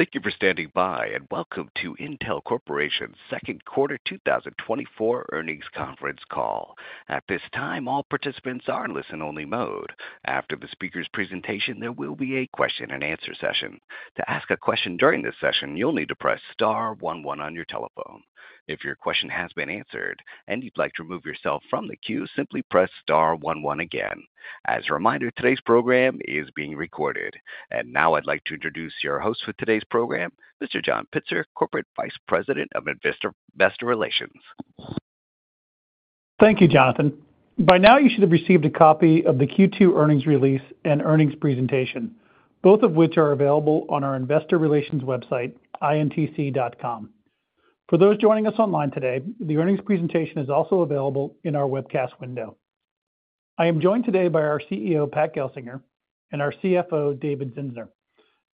Thank you for standing by, and welcome to Intel Corporation's Second Quarter 2024 Earnings Conference Call. At this time, all participants are in listen-only mode. After the speaker's presentation, there will be a question-and-answer session. To ask a question during this session, you'll need to press star one one on your telephone. If your question has been answered and you'd like to remove yourself from the queue, simply press star one one again. As a reminder, today's program is being recorded. And now I'd like to introduce your host for today's program, Mr. John Pitzer, Corporate Vice President of Investor Relations. Thank you, Jonathan. By now, you should have received a copy of the Q2 earnings release and earnings presentation, both of which are available on our investor relations website, intc.com. For those joining us online today, the earnings presentation is also available in our webcast window. I am joined today by our CEO, Pat Gelsinger, and our CFO, David Zinsner.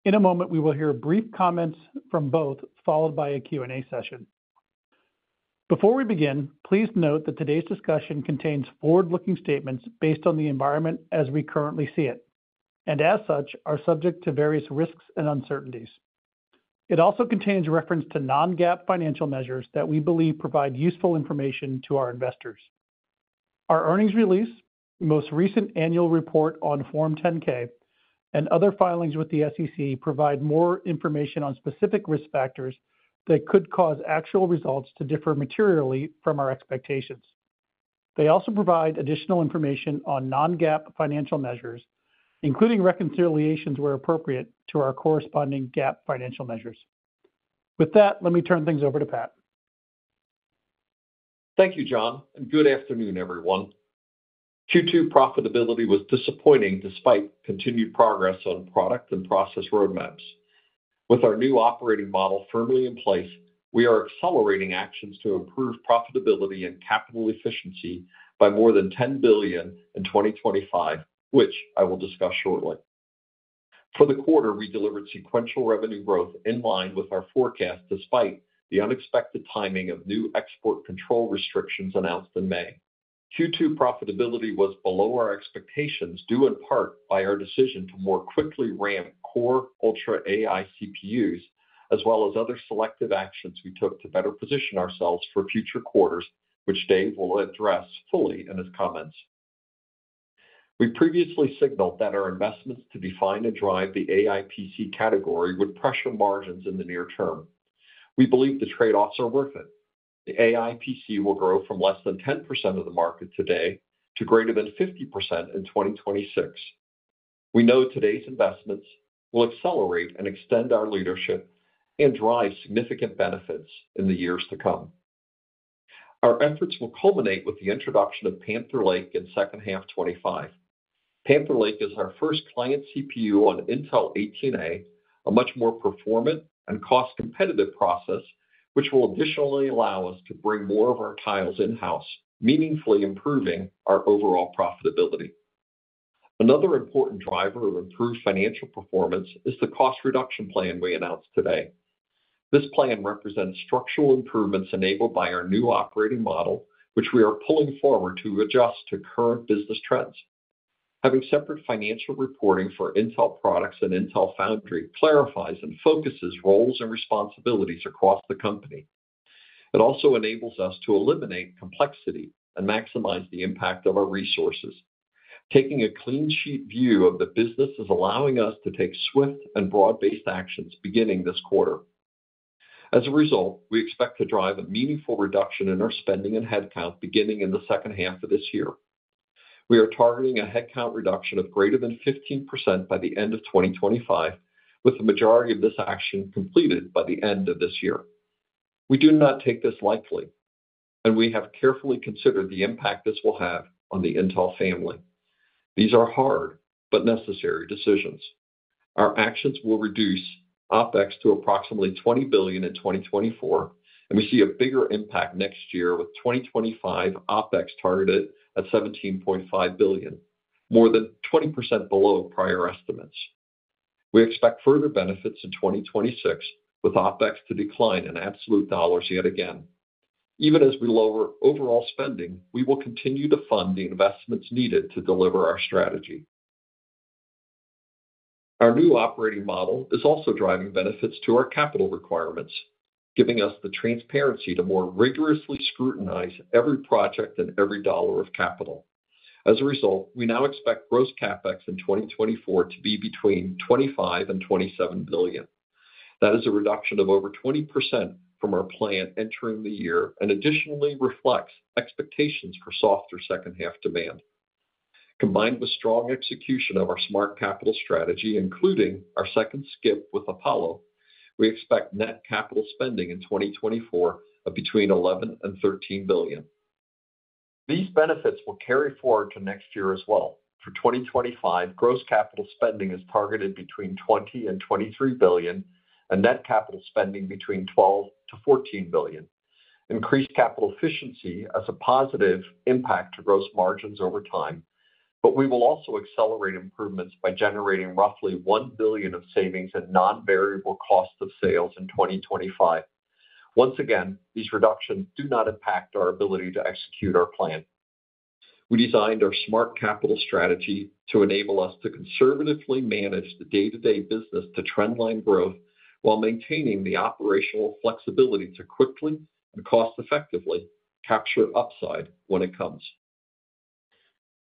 In a moment, we will hear brief comments from both, followed by a Q&A session. Before we begin, please note that today's discussion contains forward-looking statements based on the environment as we currently see it, and as such, are subject to various risks and uncertainties. It also contains a reference to non-GAAP financial measures that we believe provide useful information to our investors. Our earnings release, most recent annual report on Form 10-K, and other filings with the SEC, provide more information on specific risk factors that could cause actual results to differ materially from our expectations. They also provide additional information on non-GAAP financial measures, including reconciliations where appropriate, to our corresponding GAAP financial measures. With that, let me turn things over to Pat. Thank you, John, and good afternoon, everyone. Q2 profitability was disappointing despite continued progress on product and process roadmaps. With our new operating model firmly in place, we are accelerating actions to improve profitability and capital efficiency by more than $10 billion in 2025, which I will discuss shortly. For the quarter, we delivered sequential revenue growth in line with our forecast, despite the unexpected timing of new export control restrictions announced in May. Q2 profitability was below our expectations, due in part by our decision to more quickly ramp Core Ultra AI CPUs, as well as other selective actions we took to better position ourselves for future quarters, which Dave will address fully in his comments. We previously signaled that our investments to define and drive the AI PC category would pressure margins in the near term. We believe the trade-offs are worth it. The AI PC will grow from less than 10% of the market today to greater than 50% in 2026. We know today's investments will accelerate and extend our leadership and drive significant benefits in the years to come. Our efforts will culminate with the introduction of Panther Lake in second half 2025. Panther Lake is our first client CPU on Intel 18A, a much more performant and cost-competitive process, which will additionally allow us to bring more of our tiles in-house, meaningfully improving our overall profitability. Another important driver of improved financial performance is the cost reduction plan we announced today. This plan represents structural improvements enabled by our new operating model, which we are pulling forward to adjust to current business trends. Having separate financial reporting for Intel Products and Intel Foundry clarifies and focuses roles and responsibilities across the company. It also enables us to eliminate complexity and maximize the impact of our resources. Taking a clean sheet view of the business is allowing us to take swift and broad-based actions beginning this quarter. As a result, we expect to drive a meaningful reduction in our spending and headcount beginning in the second half of this year. We are targeting a headcount reduction of greater than 15% by the end of 2025, with the majority of this action completed by the end of this year. We do not take this lightly, and we have carefully considered the impact this will have on the Intel family. These are hard but necessary decisions. Our actions will reduce OpEx to approximately $20 billion in 2024, and we see a bigger impact next year, with 2025 OpEx targeted at $17.5 billion, more than 20% below prior estimates. We expect further benefits in 2026, with OpEx to decline in absolute dollars yet again. Even as we lower overall spending, we will continue to fund the investments needed to deliver our strategy. Our new operating model is also driving benefits to our capital requirements, giving us the transparency to more rigorously scrutinize every project and every dollar of capital. As a result, we now expect gross CapEx in 2024 to be between $25 billion and $27 billion. That is a reduction of over 20% from our plan entering the year and additionally reflects expectations for softer second-half demand. Combined with strong execution of our smart capital strategy, including our second SCIP with Apollo, we expect net capital spending in 2024 of between $11 billion and $13 billion. These benefits will carry forward to next year as well. For 2025, gross capital spending is targeted between $20 billion and $23 billion, and net capital spending between $12 billion to $14 billion. Increased capital efficiency as a positive impact to gross margins over time, but we will also accelerate improvements by generating roughly $1 billion of savings in non-variable costs of sales in 2025. Once again, these reductions do not impact our ability to execute our plan. We designed our smart capital strategy to enable us to conservatively manage the day-to-day business to trend line growth, while maintaining the operational flexibility to quickly and cost-effectively capture upside when it comes.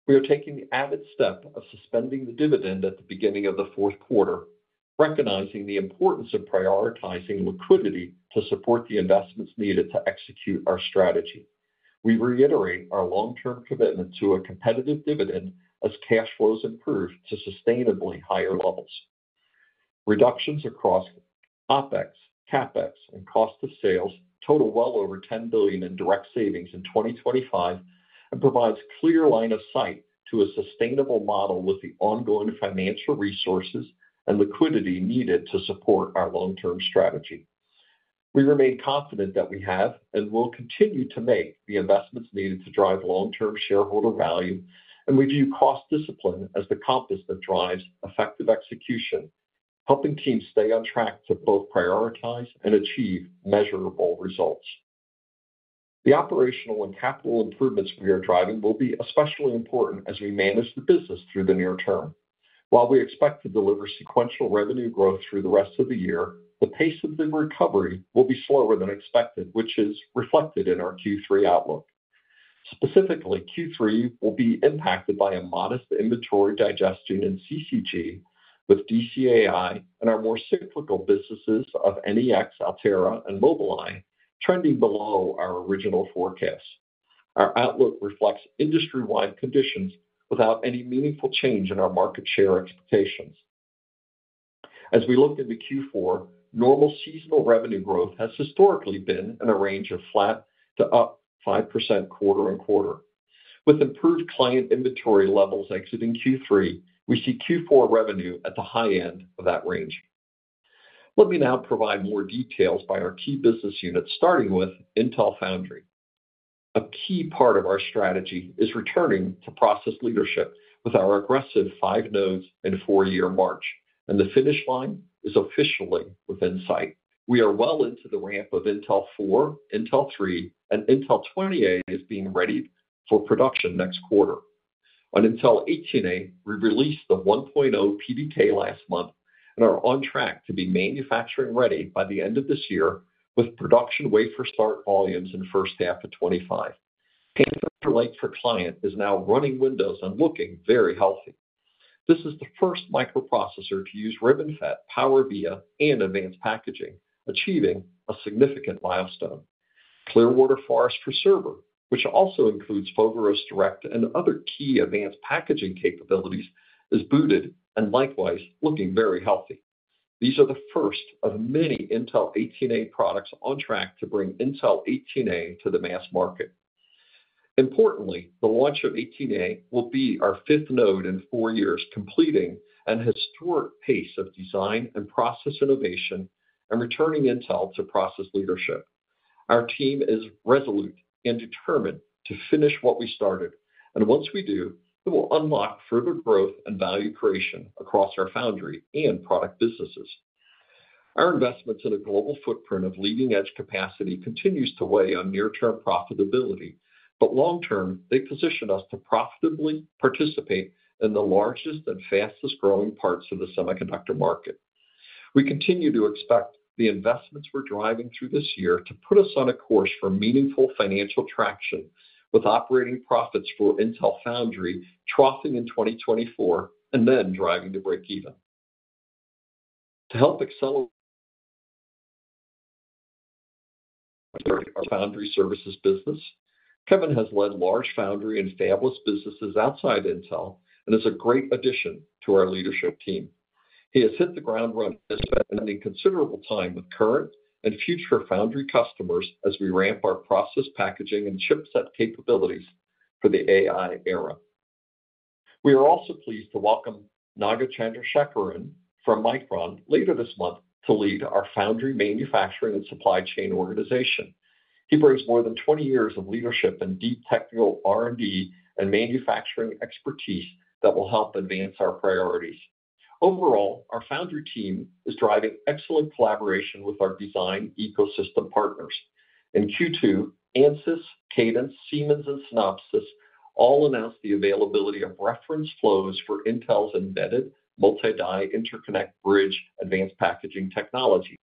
We are taking the added step of suspending the dividend at the beginning of the fourth quarter, recognizing the importance of prioritizing liquidity to support the investments needed to execute our strategy. We reiterate our long-term commitment to a competitive dividend as cash flows improve to sustainably higher levels. Reductions across OpEx, CapEx, and cost of sales total well over $10 billion in direct savings in 2025, and provides clear line of sight to a sustainable model with the ongoing financial resources and liquidity needed to support our long-term strategy. We remain confident that we have, and will continue to make, the investments needed to drive long-term shareholder value, and we view cost discipline as the compass that drives effective execution, helping teams stay on track to both prioritize and achieve measurable results. The operational and capital improvements we are driving will be especially important as we manage the business through the near term. While we expect to deliver sequential revenue growth through the rest of the year, the pace of the recovery will be slower than expected, which is reflected in our Q3 outlook. Specifically, Q3 will be impacted by a modest inventory digestion in CCG, with DCAI and our more cyclical businesses of NEX, Altera, and Mobileye trending below our original forecast. Our outlook reflects industry-wide conditions without any meaningful change in our market share expectations. As we look into Q4, normal seasonal revenue growth has historically been in a range of flat to up 5% quarter on quarter. With improved client inventory levels exiting Q3, we see Q4 revenue at the high end of that range. Let me now provide more details by our key business units, starting with Intel Foundry. A key part of our strategy is returning to process leadership with our aggressive five nodes and four-year march, and the finish line is officially within sight. We are well into the ramp of Intel 4, Intel 3, and Intel 20A is being readied for production next quarter. On Intel 18A, we released the 1.0 PDK last month and are on track to be manufacturing ready by the end of this year, with production wafer start volumes in first half of 2025. Panther Lake for client is now running Windows and looking very healthy. This is the first microprocessor to use RibbonFET, PowerVia, and advanced packaging, achieving a significant milestone. Clearwater Forest for server, which also includes Foveros Direct and other key advanced packaging capabilities, is booted and likewise looking very healthy. These are the first of many Intel 18A products on track to bring Intel 18A to the mass market. Importantly, the launch of 18A will be our fifth node in four years, completing an historic pace of design and process innovation and returning Intel to process leadership. Our team is resolute and determined to finish what we started, and once we do, it will unlock further growth and value creation across our foundry and product businesses. Our investments in a global footprint of leading-edge capacity continues to weigh on near-term profitability, but long term, they position us to profitably participate in the largest and fastest-growing parts of the semiconductor market. We continue to expect the investments we're driving through this year to put us on a course for meaningful financial traction, with operating profits for Intel Foundry troughing in 2024 and then driving to breakeven. To help accelerate our foundry services business, Kevin has led large foundry and established businesses outside Intel and is a great addition to our leadership team. He has hit the ground running, spending considerable time with current and future foundry customers as we ramp our process, packaging, and chipset capabilities for the AI era. We are also pleased to welcome Naga Chandrasekaran from Micron later this month to lead our foundry manufacturing and supply chain organization. He brings more than 20 years of leadership and deep technical R&D and manufacturing expertise that will help advance our priorities. Overall, our foundry team is driving excellent collaboration with our design ecosystem partners. In Q2, Ansys, Cadence, Siemens, and Synopsys all announced the availability of reference flows for Intel's Embedded Multi-die Interconnect Bridge advanced packaging technology.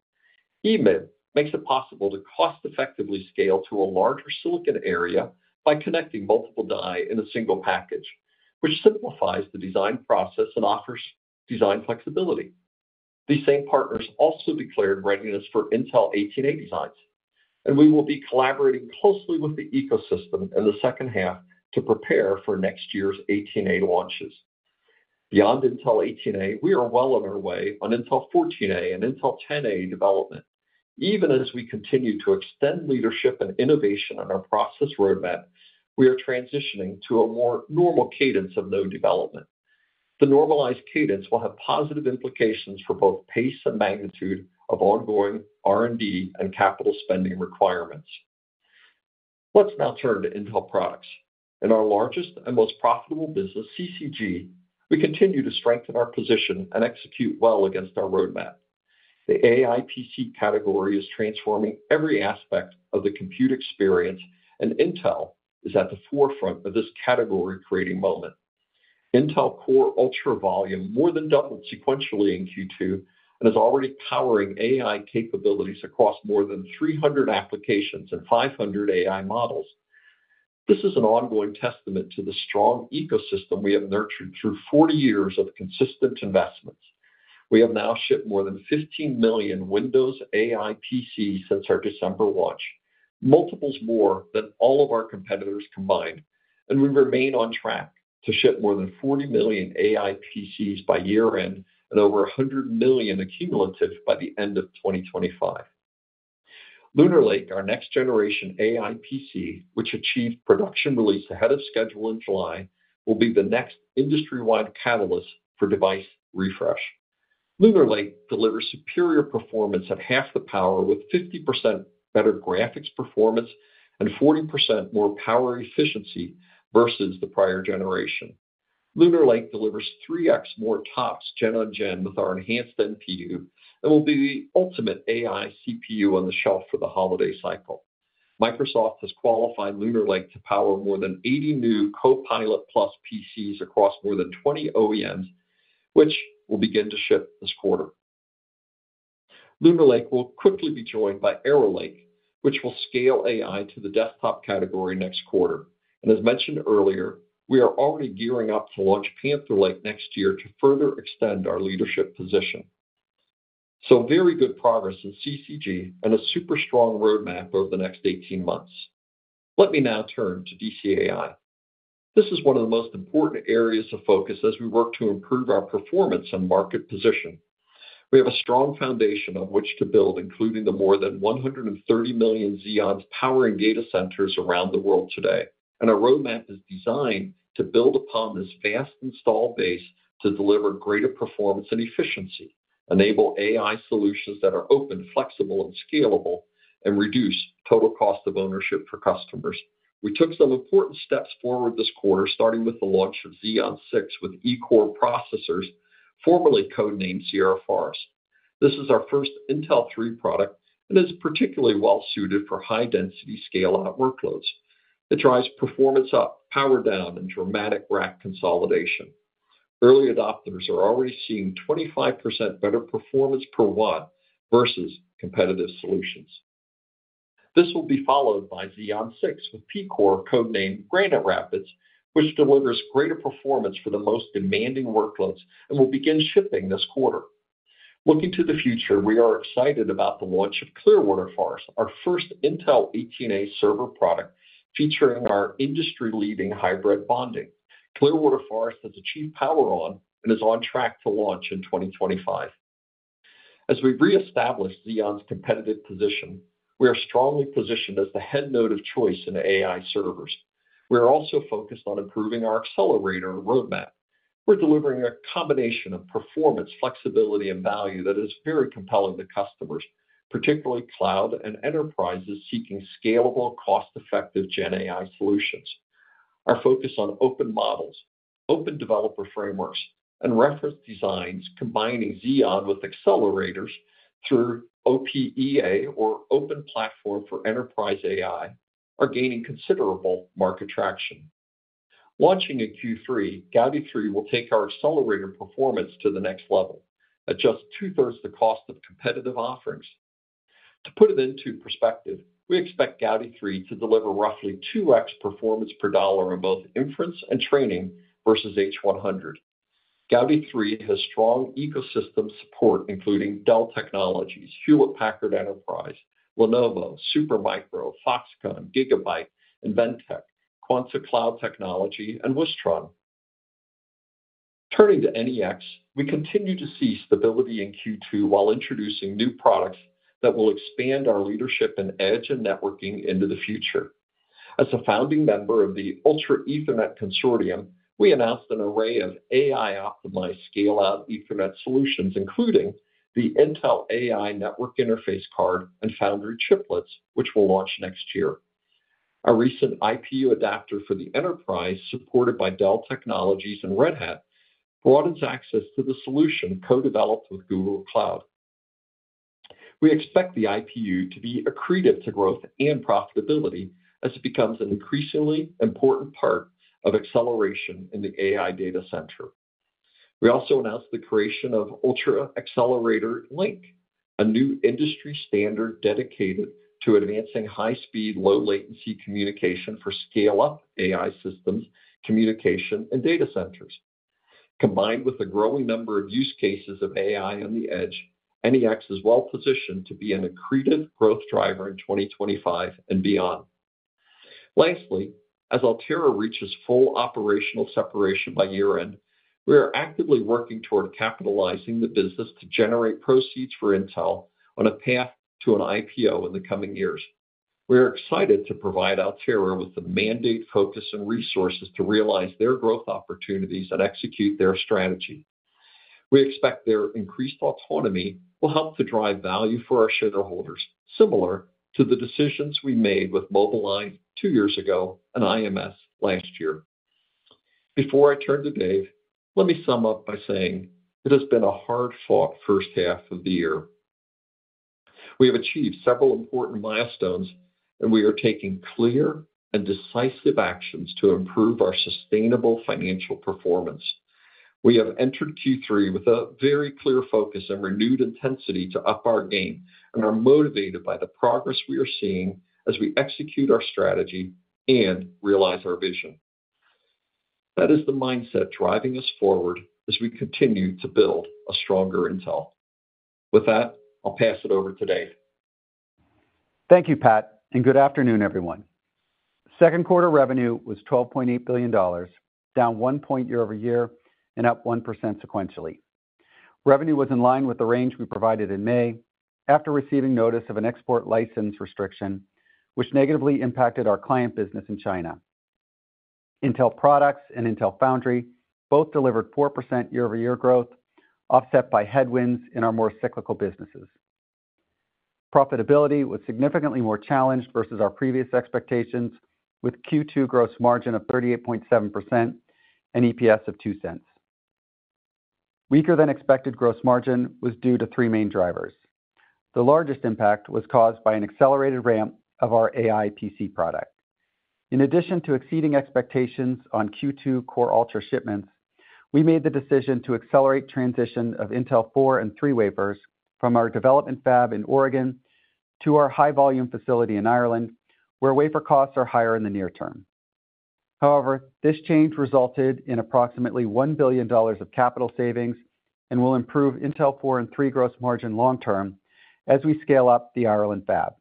EMIB makes it possible to cost effectively scale to a larger silicon area by connecting multiple die in a single package, which simplifies the design process and offers design flexibility. These same partners also declared readiness for Intel 18A designs, and we will be collaborating closely with the ecosystem in the second half to prepare for next year's 18A launches. Beyond Intel 18A, we are well on our way on Intel 14A and Intel 10A development. Even as we continue to extend leadership and innovation on our process roadmap, we are transitioning to a more normal cadence of node development. The normalized cadence will have positive implications for both pace and magnitude of ongoing R&D and capital spending requirements. Let's now turn to Intel products. In our largest and most profitable business, CCG, we continue to strengthen our position and execute well against our roadmap.... The AI PC category is transforming every aspect of the compute experience, and Intel is at the forefront of this category-creating moment. Intel Core Ultra volume more than doubled sequentially in Q2 and is already powering AI capabilities across more than 300 applications and 500 AI models. This is an ongoing testament to the strong ecosystem we have nurtured through 40 years of consistent investments. We have now shipped more than 15 million Windows AI PCs since our December launch, multiples more than all of our competitors combined, and we remain on track to ship more than 40 million AI PCs by year-end and over 100 million accumulative by the end of 2025. Lunar Lake, our next generation AI PC, which achieved production release ahead of schedule in July, will be the next industry-wide catalyst for device refresh. Lunar Lake delivers superior performance at half the power, with 50% better graphics performance and 40% more power efficiency versus the prior generation. Lunar Lake delivers 3x more TOPS gen on gen with our enhanced NPU, and will be the ultimate AI CPU on the shelf for the holiday cycle. Microsoft has qualified Lunar Lake to power more than 80 new Copilot+ PCs across more than 20 OEMs, which will begin to ship this quarter. Lunar Lake will quickly be joined by Arrow Lake, which will scale AI to the desktop category next quarter. And as mentioned earlier, we are already gearing up to launch Panther Lake next year to further extend our leadership position. So very good progress in CCG and a super strong roadmap over the next 18 months. Let me now turn to DCAI. This is one of the most important areas of focus as we work to improve our performance and market position. We have a strong foundation on which to build, including the more than 130 million Xeons powering data centers around the world today. Our roadmap is designed to build upon this vast install base to deliver greater performance and efficiency, enable AI solutions that are open, flexible, and scalable, and reduce total cost of ownership for customers. We took some important steps forward this quarter, starting with the launch of Xeon 6 with E-Core processors, formerly code-named Sierra Forest. This is our first Intel 3 product and is particularly well suited for high-density scale-out workloads. It drives performance up, power down, and dramatic rack consolidation. Early adopters are already seeing 25% better performance per watt versus competitive solutions. This will be followed by Xeon 6, with P-Core, code-named Granite Rapids, which delivers greater performance for the most demanding workloads and will begin shipping this quarter. Looking to the future, we are excited about the launch of Clearwater Forest, our first Intel 18A server product, featuring our industry-leading hybrid bonding. Clearwater Forest has achieved power on and is on track to launch in 2025. As we reestablish Xeon's competitive position, we are strongly positioned as the head node of choice in AI servers. We are also focused on improving our accelerator roadmap. We're delivering a combination of performance, flexibility, and value that is very compelling to customers, particularly cloud and enterprises seeking scalable, cost-effective GenAI solutions. Our focus on open models, open developer frameworks, and reference designs, combining Xeon with accelerators through OPEA or Open Platform for Enterprise AI, are gaining considerable market traction. Launching in Q3, Gaudi 3 will take our accelerator performance to the next level at just two-thirds the cost of competitive offerings. To put it into perspective, we expect Gaudi 3 to deliver roughly 2x performance per dollar on both inference and training versus H100. Gaudi 3 has strong ecosystem support, including Dell Technologies, Hewlett Packard Enterprise, Lenovo, Supermicro, Foxconn, Gigabyte, and Inventec, Quanta Cloud Technology, and Wistron. Turning to NEX, we continue to see stability in Q2 while introducing new products that will expand our leadership in edge and networking into the future. As a founding member of the Ultra Ethernet Consortium, we announced an array of AI-optimized scale-out Ethernet solutions, including the Intel AI Network Interface Card and Foundry Chiplets, which will launch next year. Our recent IPU Adapter for the enterprise, supported by Dell Technologies and Red Hat, broadens access to the solution co-developed with Google Cloud. We expect the IPU to be accretive to growth and profitability as it becomes an increasingly important part of acceleration in the AI data center. We also announced the creation of Ultra Accelerator Link, a new industry standard dedicated to advancing high-speed, low-latency communication for scale-up AI systems, communication, and data centers. Combined with the growing number of use cases of AI on the edge, NEX is well positioned to be an accretive growth driver in 2025 and beyond. Lastly, as Altera reaches full operational separation by year-end, we are actively working toward capitalizing the business to generate proceeds for Intel on a path to an IPO in the coming years. We are excited to provide Altera with the mandate, focus, and resources to realize their growth opportunities and execute their strategy. We expect their increased autonomy will help to drive value for our shareholders, similar to the decisions we made with Mobileye two years ago and IMS last year. Before I turn to Dave, let me sum up by saying it has been a hard-fought first half of the year. We have achieved several important milestones, and we are taking clear and decisive actions to improve our sustainable financial performance. We have entered Q3 with a very clear focus and renewed intensity to up our game, and are motivated by the progress we are seeing as we execute our strategy and realize our vision. That is the mindset driving us forward as we continue to build a stronger Intel. With that, I'll pass it over to Dave. Thank you, Pat, and good afternoon, everyone. Second quarter revenue was $12.8 billion, down 1% year-over-year and up 1% sequentially. Revenue was in line with the range we provided in May after receiving notice of an export license restriction, which negatively impacted our client business in China. Intel Products and Intel Foundry both delivered 4% year-over-year growth, offset by headwinds in our more cyclical businesses. Profitability was significantly more challenged versus our previous expectations, with Q2 gross margin of 38.7% and EPS of $0.02. Weaker-than-expected gross margin was due to three main drivers. The largest impact was caused by an accelerated ramp of our AI PC product. In addition to exceeding expectations on Q2 Core Ultra shipments, we made the decision to accelerate transition of Intel 4 and 3 wafers from our development fab in Oregon to our high-volume facility in Ireland, where wafer costs are higher in the near term. However, this change resulted in approximately $1 billion of capital savings and will improve Intel 4 and 3 gross margin long term as we scale up the Ireland fab.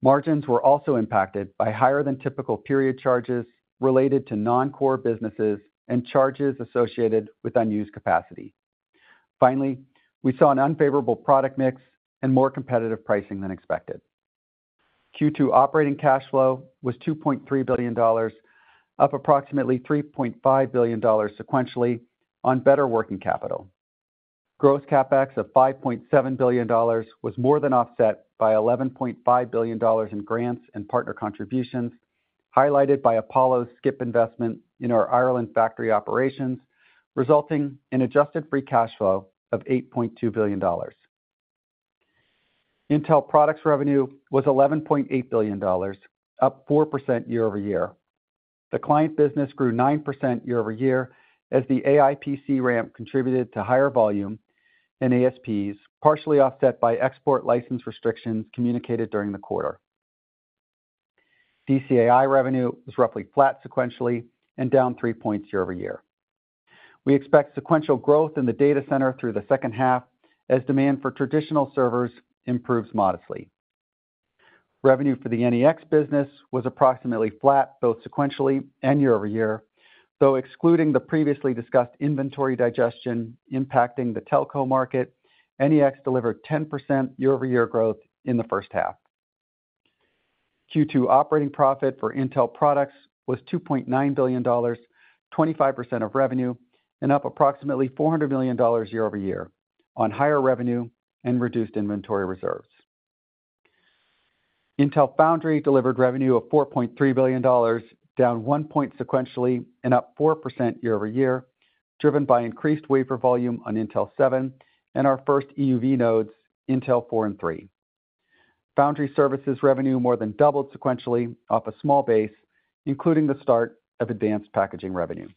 Margins were also impacted by higher-than-typical period charges related to non-core businesses and charges associated with unused capacity. Finally, we saw an unfavorable product mix and more competitive pricing than expected. Q2 operating cash flow was $2.3 billion, up approximately $3.5 billion sequentially on better working capital. Gross CapEx of $5.7 billion was more than offset by $11.5 billion in grants and partner contributions, highlighted by Apollo's SCIP investment in our Ireland factory operations, resulting in adjusted free cash flow of $8.2 billion. Intel products revenue was $11.8 billion, up 4% year-over-year. The client business grew 9% year-over-year as the AI PC ramp contributed to higher volume and ASPs, partially offset by export license restrictions communicated during the quarter. DCAI revenue was roughly flat sequentially and down 3 points year-over-year. We expect sequential growth in the data center through the second half as demand for traditional servers improves modestly. Revenue for the NEX business was approximately flat, both sequentially and year-over-year, though excluding the previously discussed inventory digestion impacting the telco market, NEX delivered 10% year-over-year growth in the first half. Q2 operating profit for Intel products was $2.9 billion, 25% of revenue, and up approximately $400 million year-over-year on higher revenue and reduced inventory reserves. Intel Foundry delivered revenue of $4.3 billion, down 1% sequentially and up 4% year-over-year, driven by increased wafer volume on Intel 7 and our first EUV nodes, Intel 4 and 3. Foundry services revenue more than doubled sequentially off a small base, including the start of advanced packaging revenue.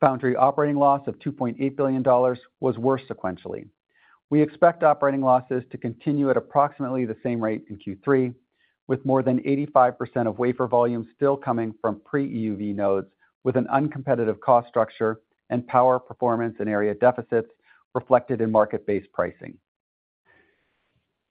Foundry operating loss of $2.8 billion was worse sequentially. We expect operating losses to continue at approximately the same rate in Q3, with more than 85% of wafer volumes still coming from pre-EUV nodes, with an uncompetitive cost structure and power, performance, and area deficits reflected in market-based pricing.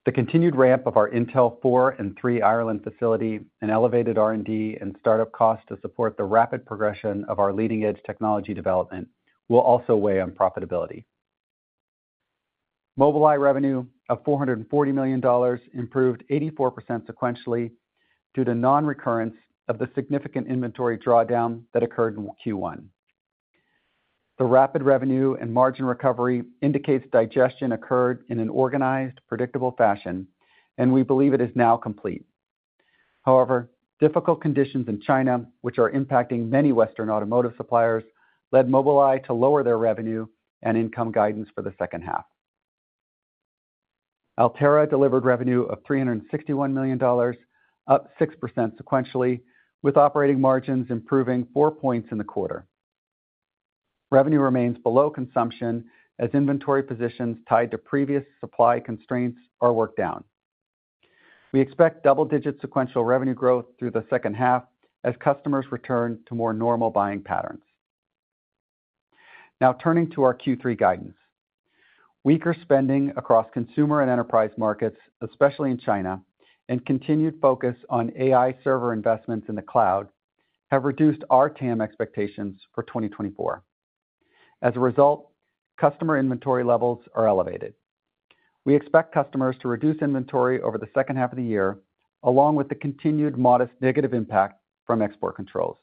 The continued ramp of our Intel 4 and 3 Ireland facility and elevated R&D and startup costs to support the rapid progression of our leading-edge technology development will also weigh on profitability. Mobileye revenue of $440 million improved 84% sequentially due to non-recurrence of the significant inventory drawdown that occurred in Q1. The rapid revenue and margin recovery indicates digestion occurred in an organized, predictable fashion, and we believe it is now complete. However, difficult conditions in China, which are impacting many Western automotive suppliers, led Mobileye to lower their revenue and income guidance for the second half. Altera delivered revenue of $361 million, up 6% sequentially, with operating margins improving four points in the quarter. Revenue remains below consumption as inventory positions tied to previous supply constraints are worked down. We expect double-digit sequential revenue growth through the second half as customers return to more normal buying patterns. Now turning to our Q3 guidance. Weaker spending across consumer and enterprise markets, especially in China, and continued focus on AI server investments in the cloud, have reduced our TAM expectations for 2024. As a result, customer inventory levels are elevated. We expect customers to reduce inventory over the second half of the year, along with the continued modest negative impact from export controls....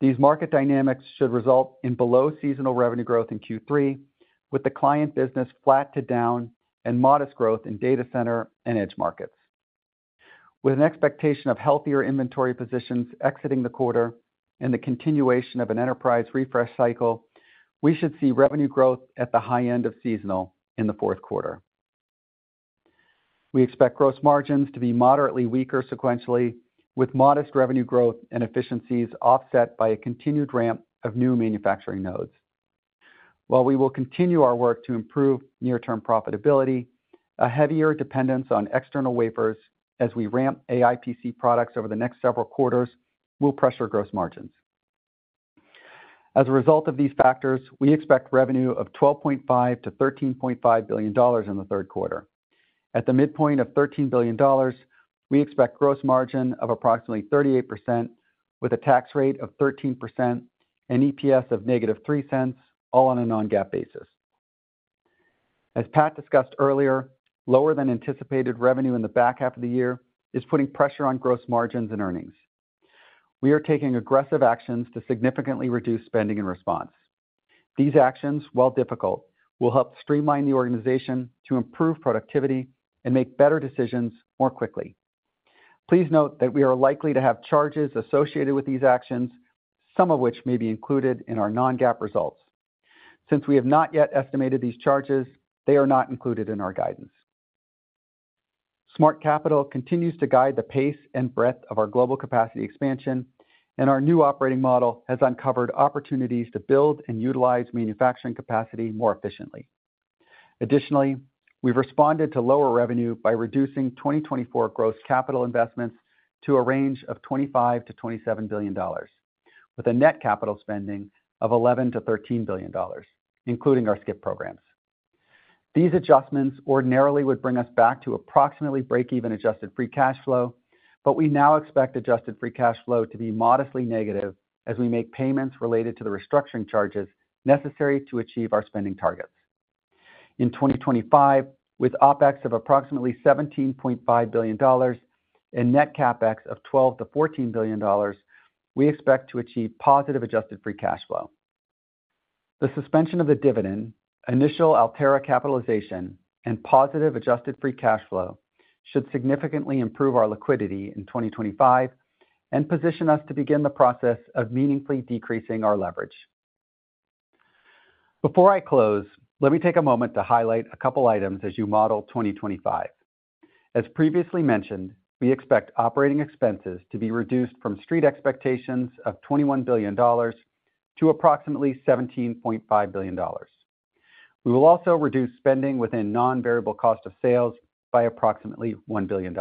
These market dynamics should result in below seasonal revenue growth in Q3, with the client business flat to down and modest growth in data center and edge markets. With an expectation of healthier inventory positions exiting the quarter and the continuation of an enterprise refresh cycle, we should see revenue growth at the high end of seasonal in the fourth quarter. We expect gross margins to be moderately weaker sequentially, with modest revenue growth and efficiencies offset by a continued ramp of new manufacturing nodes. While we will continue our work to improve near-term profitability, a heavier dependence on external wafers as we ramp AI PC products over the next several quarters will pressure gross margins. As a result of these factors, we expect revenue of $12.5 billion-$13.5 billion in the third quarter. At the midpoint of $13 billion, we expect gross margin of approximately 38%, with a tax rate of 13% and EPS of -$0.03, all on a non-GAAP basis. As Pat discussed earlier, lower than anticipated revenue in the back half of the year is putting pressure on gross margins and earnings. We are taking aggressive actions to significantly reduce spending in response. These actions, while difficult, will help streamline the organization to improve productivity and make better decisions more quickly. Please note that we are likely to have charges associated with these actions, some of which may be included in our non-GAAP results. Since we have not yet estimated these charges, they are not included in our guidance. Smart Capital continues to guide the pace and breadth of our global capacity expansion, and our new operating model has uncovered opportunities to build and utilize manufacturing capacity more efficiently. Additionally, we've responded to lower revenue by reducing 2024 gross capital investments to a range of $25 billion-$27 billion, with a net capital spending of $11 billion-$13 billion, including our SCIP programs. These adjustments ordinarily would bring us back to approximately break-even adjusted free cash flow, but we now expect adjusted free cash flow to be modestly negative as we make payments related to the restructuring charges necessary to achieve our spending targets. In 2025, with OpEx of approximately $17.5 billion and net CapEx of $12 billion-$14 billion, we expect to achieve positive adjusted free cash flow. The suspension of the dividend, initial Altera capitalization, and positive adjusted free cash flow should significantly improve our liquidity in 2025 and position us to begin the process of meaningfully decreasing our leverage. Before I close, let me take a moment to highlight a couple items as you model 2025. As previously mentioned, we expect operating expenses to be reduced from street expectations of $21 billion to approximately $17.5 billion. We will also reduce spending within non-variable cost of sales by approximately $1 billion.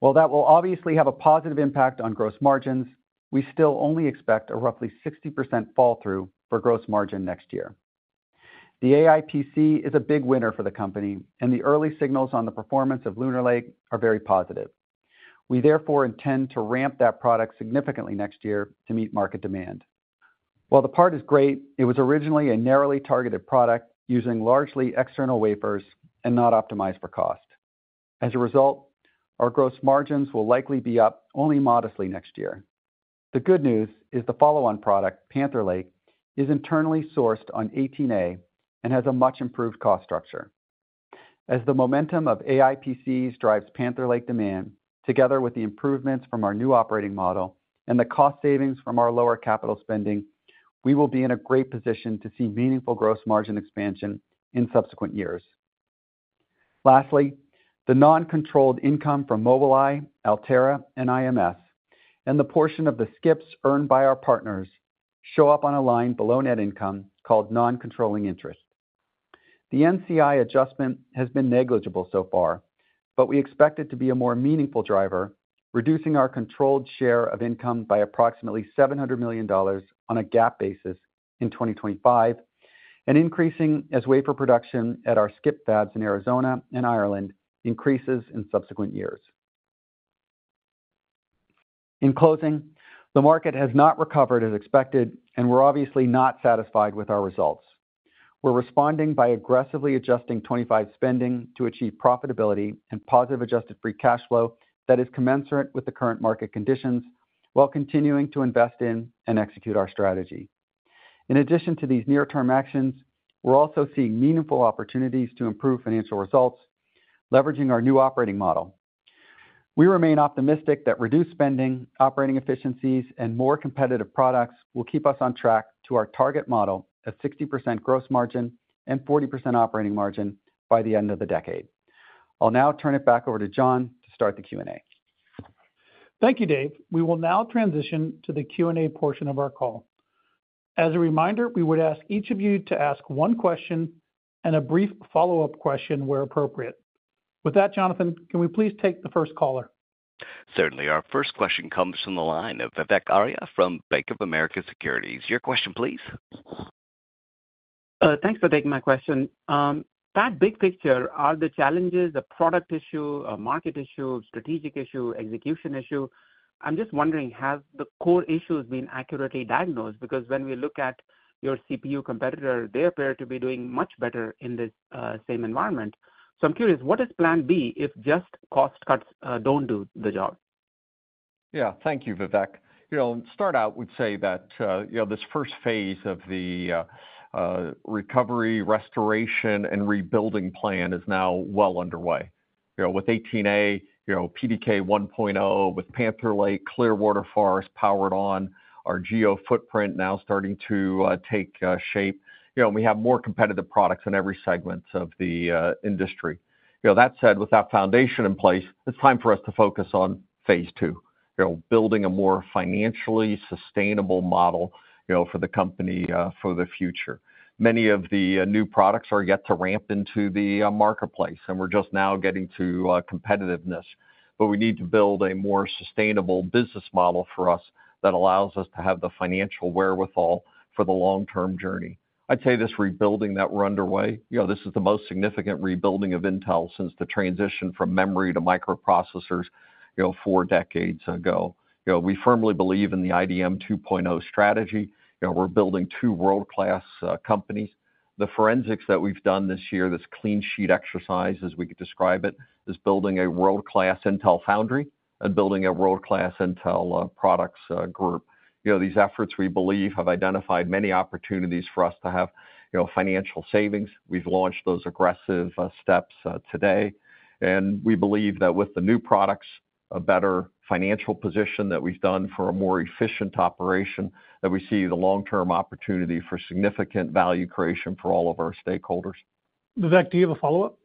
While that will obviously have a positive impact on gross margins, we still only expect a roughly 60% fall through for gross margin next year. The AI PC is a big winner for the company, and the early signals on the performance of Lunar Lake are very positive. We therefore intend to ramp that product significantly next year to meet market demand. While the part is great, it was originally a narrowly targeted product, using largely external wafers and not optimized for cost. As a result, our gross margins will likely be up only modestly next year. The good news is the follow-on product, Panther Lake, is internally sourced on 18A and has a much improved cost structure. As the momentum of AI PCs drives Panther Lake demand, together with the improvements from our new operating model and the cost savings from our lower capital spending, we will be in a great position to see meaningful gross margin expansion in subsequent years. Lastly, the non-controlling income from Mobileye, Altera, and IMS, and the portion of the CHIPS earned by our partners show up on a line below net income called non-controlling interest. The NCI adjustment has been negligible so far, but we expect it to be a more meaningful driver, reducing our controlled share of income by approximately $700 million on a GAAP basis in 2025, and increasing as wafer production at our SCIP fabs in Arizona and Ireland increases in subsequent years. In closing, the market has not recovered as expected, and we're obviously not satisfied with our results. We're responding by aggressively adjusting 2025 spending to achieve profitability and positive adjusted free cash flow that is commensurate with the current market conditions, while continuing to invest in and execute our strategy. In addition to these near-term actions, we're also seeing meaningful opportunities to improve financial results, leveraging our new operating model. We remain optimistic that reduced spending, operating efficiencies, and more competitive products will keep us on track to our target model of 60% gross margin and 40% operating margin by the end of the decade. I'll now turn it back over to John to start the Q&A. Thank you, Dave. We will now transition to the Q&A portion of our call. As a reminder, we would ask each of you to ask one question and a brief follow-up question where appropriate. With that, Jonathan, can we please take the first caller? Certainly. Our first question comes from the line of Vivek Arya from Bank of America Securities. Your question, please. Thanks for taking my question. Pat, big picture, are the challenges a product issue, a market issue, strategic issue, execution issue? I'm just wondering, have the core issues been accurately diagnosed? Because when we look at your CPU competitor, they appear to be doing much better in this same environment. So I'm curious, what is plan B if just cost cuts don't do the job? Yeah, thank you, Vivek. You know, to start out, we'd say that, you know, this first phase of the recovery, restoration, and rebuilding plan is now well underway. You know, with 18A, you know, PDK 1.0, with Panther Lake, Clearwater Forest powered on, our geo footprint now starting to take shape. You know, and we have more competitive products in every segment of the industry. You know, that said, with that foundation in place, it's time for us to focus on phase two. You know, building a more financially sustainable model, you know, for the company, for the future. Many of the new products are yet to ramp into the marketplace, and we're just now getting to competitiveness. But we need to build a more sustainable business model for us that allows us to have the financial wherewithal for the long-term journey. I'd say this rebuilding that we're underway, you know, this is the most significant rebuilding of Intel since the transition from memory to microprocessors, you know, four decades ago. You know, we firmly believe in the IDM 2.0 strategy. You know, we're building two world-class companies. The forensics that we've done this year, this clean sheet exercise, as we could describe it, is building a world-class Intel Foundry and building a world-class Intel Products Group. You know, these efforts, we believe, have identified many opportunities for us to have, you know, financial savings. We've launched those aggressive steps today, and we believe that with the new products, a better financial position that we've done for a more efficient operation, that we see the long-term opportunity for significant value creation for all of our stakeholders. Vivek, do you have a follow-up?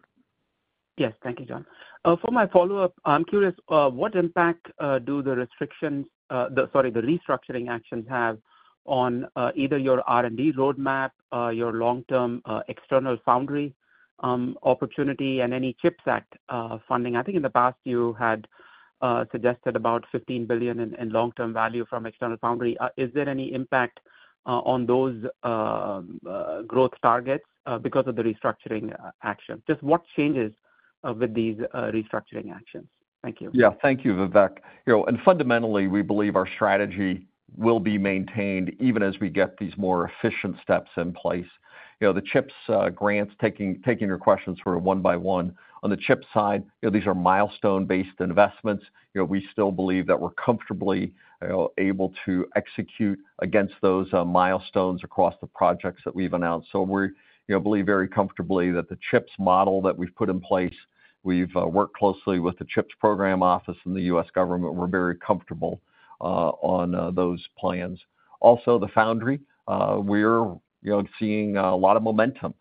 Yes, thank you, John. For my follow-up, I'm curious what impact do the restructuring actions have on either your R&D roadmap, your long-term external foundry opportunity, and any CHIPS Act funding? I think in the past you had suggested about $15 billion in long-term value from external foundry. Is there any impact on those growth targets because of the restructuring action? Just what changes with these restructuring actions? Thank you. Yeah. Thank you, Vivek. You know, and fundamentally, we believe our strategy will be maintained even as we get these more efficient steps in place. You know, the CHIPS grants, taking your questions sort of one by one. On the CHIPS side, you know, these are milestone-based investments. You know, we still believe that we're comfortably able to execute against those milestones across the projects that we've announced. So we, you know, believe very comfortably that the CHIPS model that we've put in place, we've worked closely with the CHIPS program office and the U.S. government, we're very comfortable on those plans. Also, the foundry, we're, you know, seeing a lot of momentum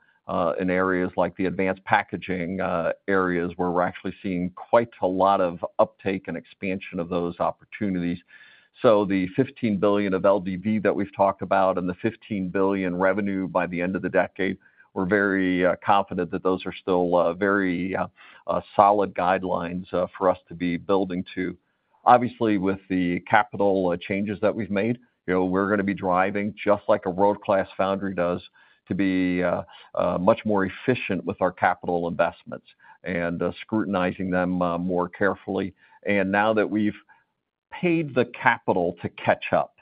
in areas like the advanced packaging areas, where we're actually seeing quite a lot of uptake and expansion of those opportunities. So the $15 billion of LDV that we've talked about and the $15 billion revenue by the end of the decade, we're very confident that those are still very solid guidelines for us to be building to. Obviously, with the capital changes that we've made, you know, we're going to be driving, just like a world-class foundry does, to be much more efficient with our capital investments and scrutinizing them more carefully. And now that we've paid the capital to catch up,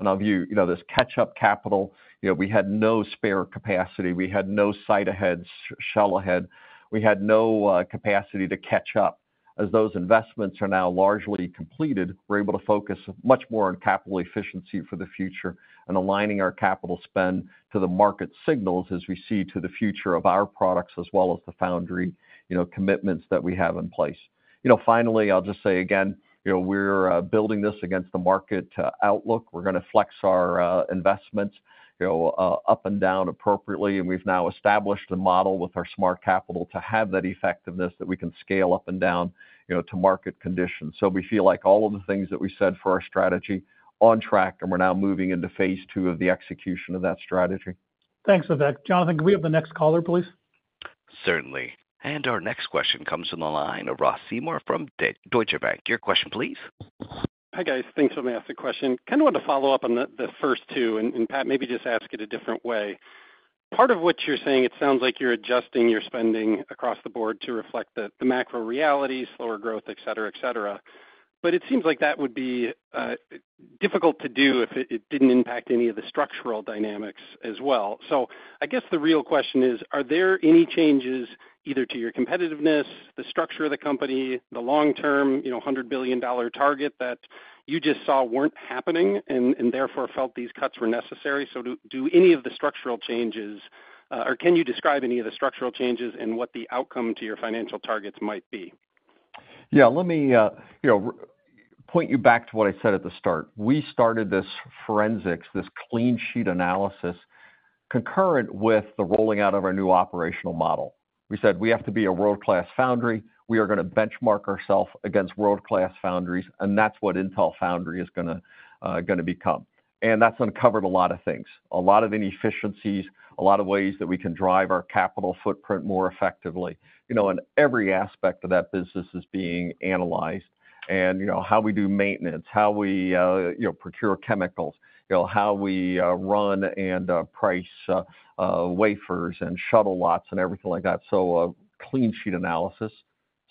and I'll view, you know, this catch-up capital, you know, we had no spare capacity. We had no sight ahead, shelf ahead. We had no capacity to catch up. As those investments are now largely completed, we're able to focus much more on capital efficiency for the future and aligning our capital spend to the market signals as we see to the future of our products, as well as the foundry, you know, commitments that we have in place. You know, finally, I'll just say again, you know, we're building this against the market outlook. We're going to flex our investments, you know, up and down appropriately, and we've now established a model with our smart capital to have that effectiveness that we can scale up and down, you know, to market conditions. So we feel like all of the things that we said for our strategy on track, and we're now moving into phase two of the execution of that strategy. Thanks, Vivek. Jonathan, can we have the next caller, please? Certainly. Our next question comes from the line of Ross Seymore from Deutsche Bank. Your question, please. Hi, guys. Thanks for letting me ask the question. Kind of want to follow up on the first two, and Pat, maybe just ask it a different way. Part of what you're saying, it sounds like you're adjusting your spending across the board to reflect the macro reality, slower growth, et cetera, et cetera. But it seems like that would be difficult to do if it didn't impact any of the structural dynamics as well. So I guess the real question is: Are there any changes, either to your competitiveness, the structure of the company, the long-term, you know, $100 billion target that you just saw weren't happening and therefore felt these cuts were necessary? So do any of the structural changes, or can you describe any of the structural changes and what the outcome to your financial targets might be? Yeah, let me, you know, point you back to what I said at the start. We started this forensics, this clean sheet analysis, concurrent with the rolling out of our new operational model. We said: We have to be a world-class foundry. We are going to benchmark ourself against world-class foundries, and that's what Intel Foundry is gonna become. And that's uncovered a lot of things, a lot of inefficiencies, a lot of ways that we can drive our capital footprint more effectively. You know, and every aspect of that business is being analyzed. And, you know, how we do maintenance, how we, you know, procure chemicals, you know, how we, run and, price, wafers and shuttle lots and everything like that. So, clean sheet analysis-...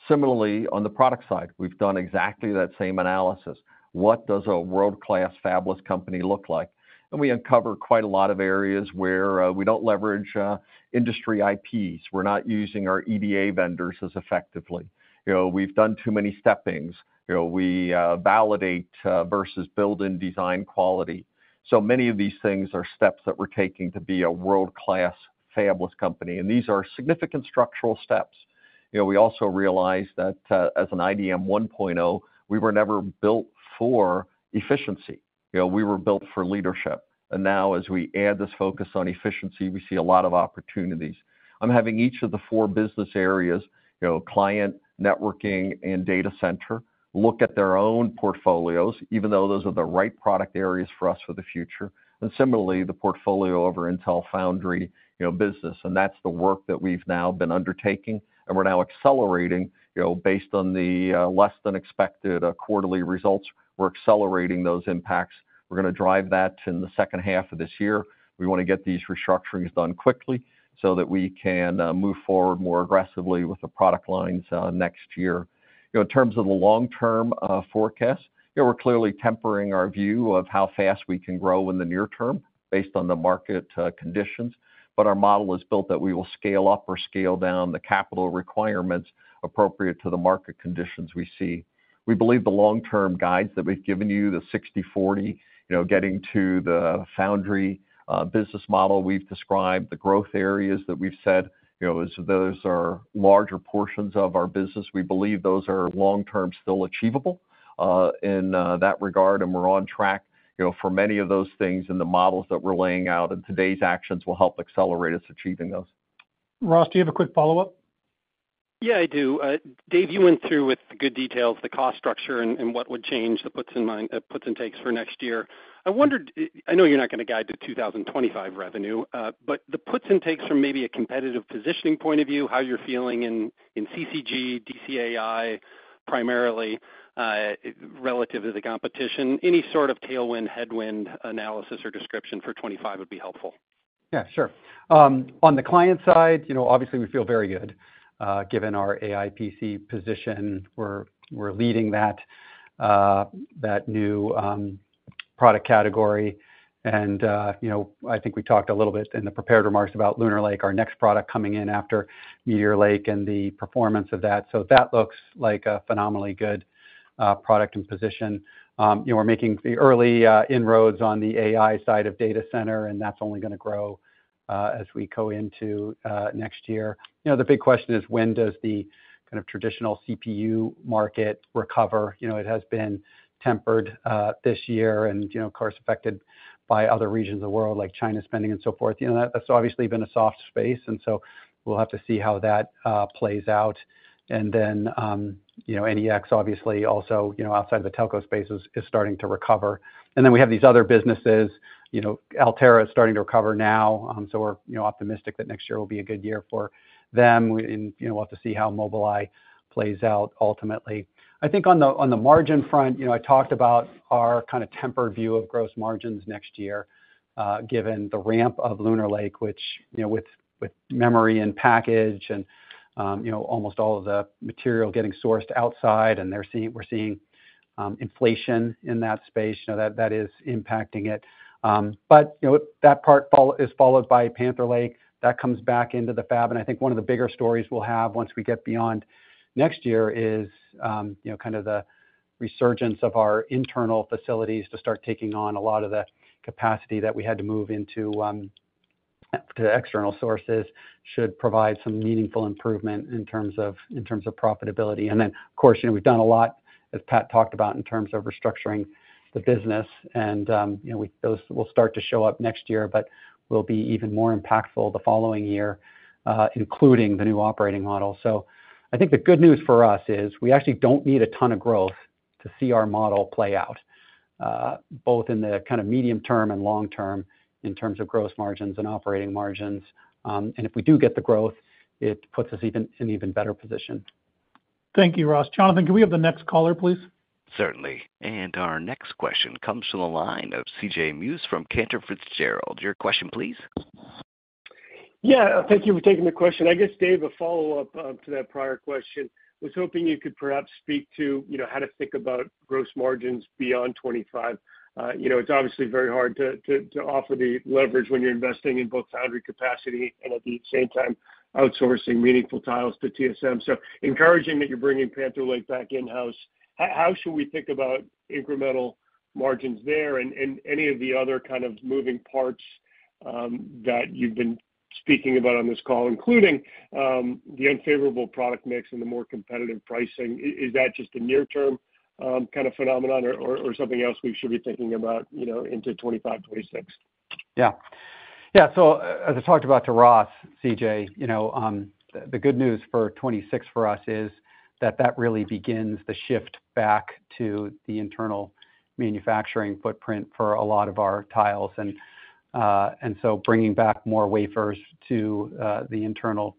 similarly, on the product side, we've done exactly that same analysis. What does a world-class fabless company look like? And we uncover quite a lot of areas where we don't leverage industry IPs. We're not using our EDA vendors as effectively. You know, we've done too many steppings. You know, we validate versus build in design quality. So many of these things are steps that we're taking to be a world-class fabless company, and these are significant structural steps. You know, we also realize that as an IDM 1.0, we were never built for efficiency. You know, we were built for leadership, and now as we add this focus on efficiency, we see a lot of opportunities. I'm having each of the four business areas, you know, client, networking, and data center, look at their own portfolios, even though those are the right product areas for us for the future, and similarly, the portfolio of our Intel Foundry, you know, business, and that's the work that we've now been undertaking, and we're now accelerating, you know, based on the less than expected quarterly results. We're accelerating those impacts. We're gonna drive that in the second half of this year. We wanna get these restructurings done quickly so that we can move forward more aggressively with the product lines next year. You know, in terms of the long-term forecast, you know, we're clearly tempering our view of how fast we can grow in the near term based on the market conditions, but our model is built that we will scale up or scale down the capital requirements appropriate to the market conditions we see. We believe the long-term guides that we've given you, the 60/40, you know, getting to the foundry business model we've described, the growth areas that we've said, you know, as those are larger portions of our business, we believe those are long-term, still achievable. In that regard, and we're on track, you know, for many of those things and the models that we're laying out, and today's actions will help accelerate us achieving those. Ross, do you have a quick follow-up? Yeah, I do. Dave, you went through with the good details, the cost structure and what would change, the puts and takes for next year. I wondered, I know you're not gonna guide to 2025 revenue, but the puts and takes from maybe a competitive positioning point of view, how you're feeling in, in CCG, DCAI, primarily, relative to the competition, any sort of tailwind, headwind analysis or description for 2025 would be helpful. Yeah, sure. On the client side, you know, obviously, we feel very good, given our AI PC position. We're, we're leading that, that new product category. And, you know, I think we talked a little bit in the prepared remarks about Lunar Lake, our next product coming in after Meteor Lake and the performance of that. So that looks like a phenomenally good product and position. We're making the early inroads on the AI side of data center, and that's only gonna grow, as we go into next year. You know, the big question is: When does the kind of traditional CPU market recover? You know, it has been tempered, this year and, you know, of course, affected by other regions of the world, like China spending and so forth. You know, that's obviously been a soft space, and so we'll have to see how that plays out. And then, you know, NEX, obviously, also, you know, outside the telco space, is starting to recover. And then we have these other businesses, you know, Altera is starting to recover now, so we're, you know, optimistic that next year will be a good year for them. We, and, you know, we'll have to see how Mobileye plays out ultimately. I think on the margin front, you know, I talked about our kinda tempered view of gross margins next year, given the ramp of Lunar Lake, which, you know, with memory and package and, you know, almost all of the material getting sourced outside, and they're seeing, we're seeing, inflation in that space. You know, that is impacting it. But, you know, that part is followed by Panther Lake. That comes back into the fab, and I think one of the bigger stories we'll have once we get beyond next year is, you know, kind of the resurgence of our internal facilities to start taking on a lot of the capacity that we had to move into, to the external sources, should provide some meaningful improvement in terms of, in terms of profitability. And then, of course, you know, we've done a lot, as Pat talked about, in terms of restructuring the business, and, you know, those will start to show up next year, but will be even more impactful the following year, including the new operating model. So I think the good news for us is, we actually don't need a ton of growth to see our model play out, both in the kind of medium term and long term, in terms of gross margins and operating margins. And if we do get the growth, it puts us even, in even better position. Thank you, Ross. Jonathan, can we have the next caller, please? Certainly. And our next question comes from the line of CJ Muse from Cantor Fitzgerald. Your question, please. Yeah, thank you for taking the question. I guess, Dave, a follow-up to that prior question. Was hoping you could perhaps speak to, you know, how to think about gross margins beyond 2025. You know, it's obviously very hard to offer the leverage when you're investing in both foundry capacity and at the same time, outsourcing meaningful tiles to TSMC. So encouraging that you're bringing Panther Lake back in-house, how should we think about incremental margins there and any of the other kind of moving parts that you've been speaking about on this call, including the unfavorable product mix and the more competitive pricing? Is that just a near-term kind of phenomenon or something else we should be thinking about, you know, into 2025, 2026? Yeah. Yeah, so as I talked about to Ross, CJ, you know, the good news for 2026 for us is that that really begins the shift back to the internal manufacturing footprint for a lot of our tiles. And so bringing back more wafers to the internal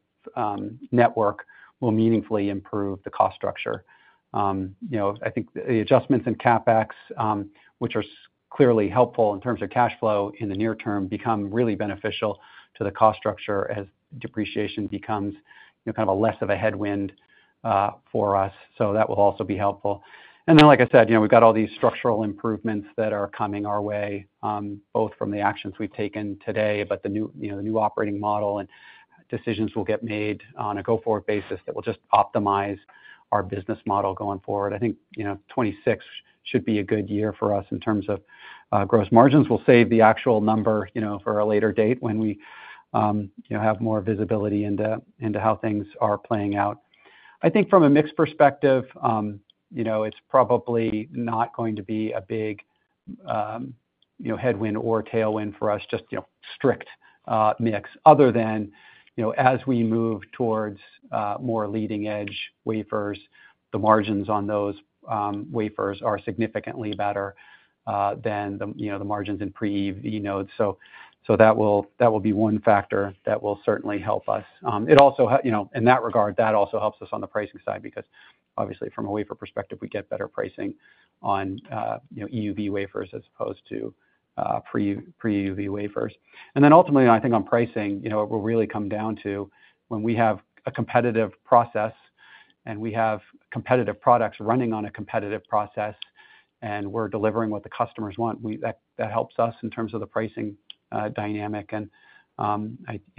network will meaningfully improve the cost structure. You know, I think the adjustments in CapEx, which are clearly helpful in terms of cash flow in the near term, become really beneficial to the cost structure as depreciation becomes, you know, kind of a less of a headwind for us. So that will also be helpful. And then, like I said, you know, we've got all these structural improvements that are coming our way, both from the actions we've taken today, but the new, you know, the new operating model and decisions will get made on a go-forward basis that will just optimize our business model going forward. I think, you know, 2026 should be a good year for us in terms of gross margins. We'll save the actual number, you know, for a later date when we, you know, have more visibility into how things are playing out. I think from a mix perspective, you know, it's probably not going to be a big, you know, headwind or tailwind for us, just, you know, strict mix. Other than, you know, as we move towards more leading-edge wafers, the margins on those wafers are significantly better than the, you know, the margins in pre-EUV nodes. So that will be one factor that will certainly help us. It also, you know, in that regard, that also helps us on the pricing side, because, obviously, from a wafer perspective, we get better pricing on, you know, EUV wafers as opposed to pre-EUV wafers. And then ultimately, I think on pricing, you know, it will really come down to when we have a competitive process, and we have competitive products running on a competitive process, and we're delivering what the customers want, that that helps us in terms of the pricing dynamic. You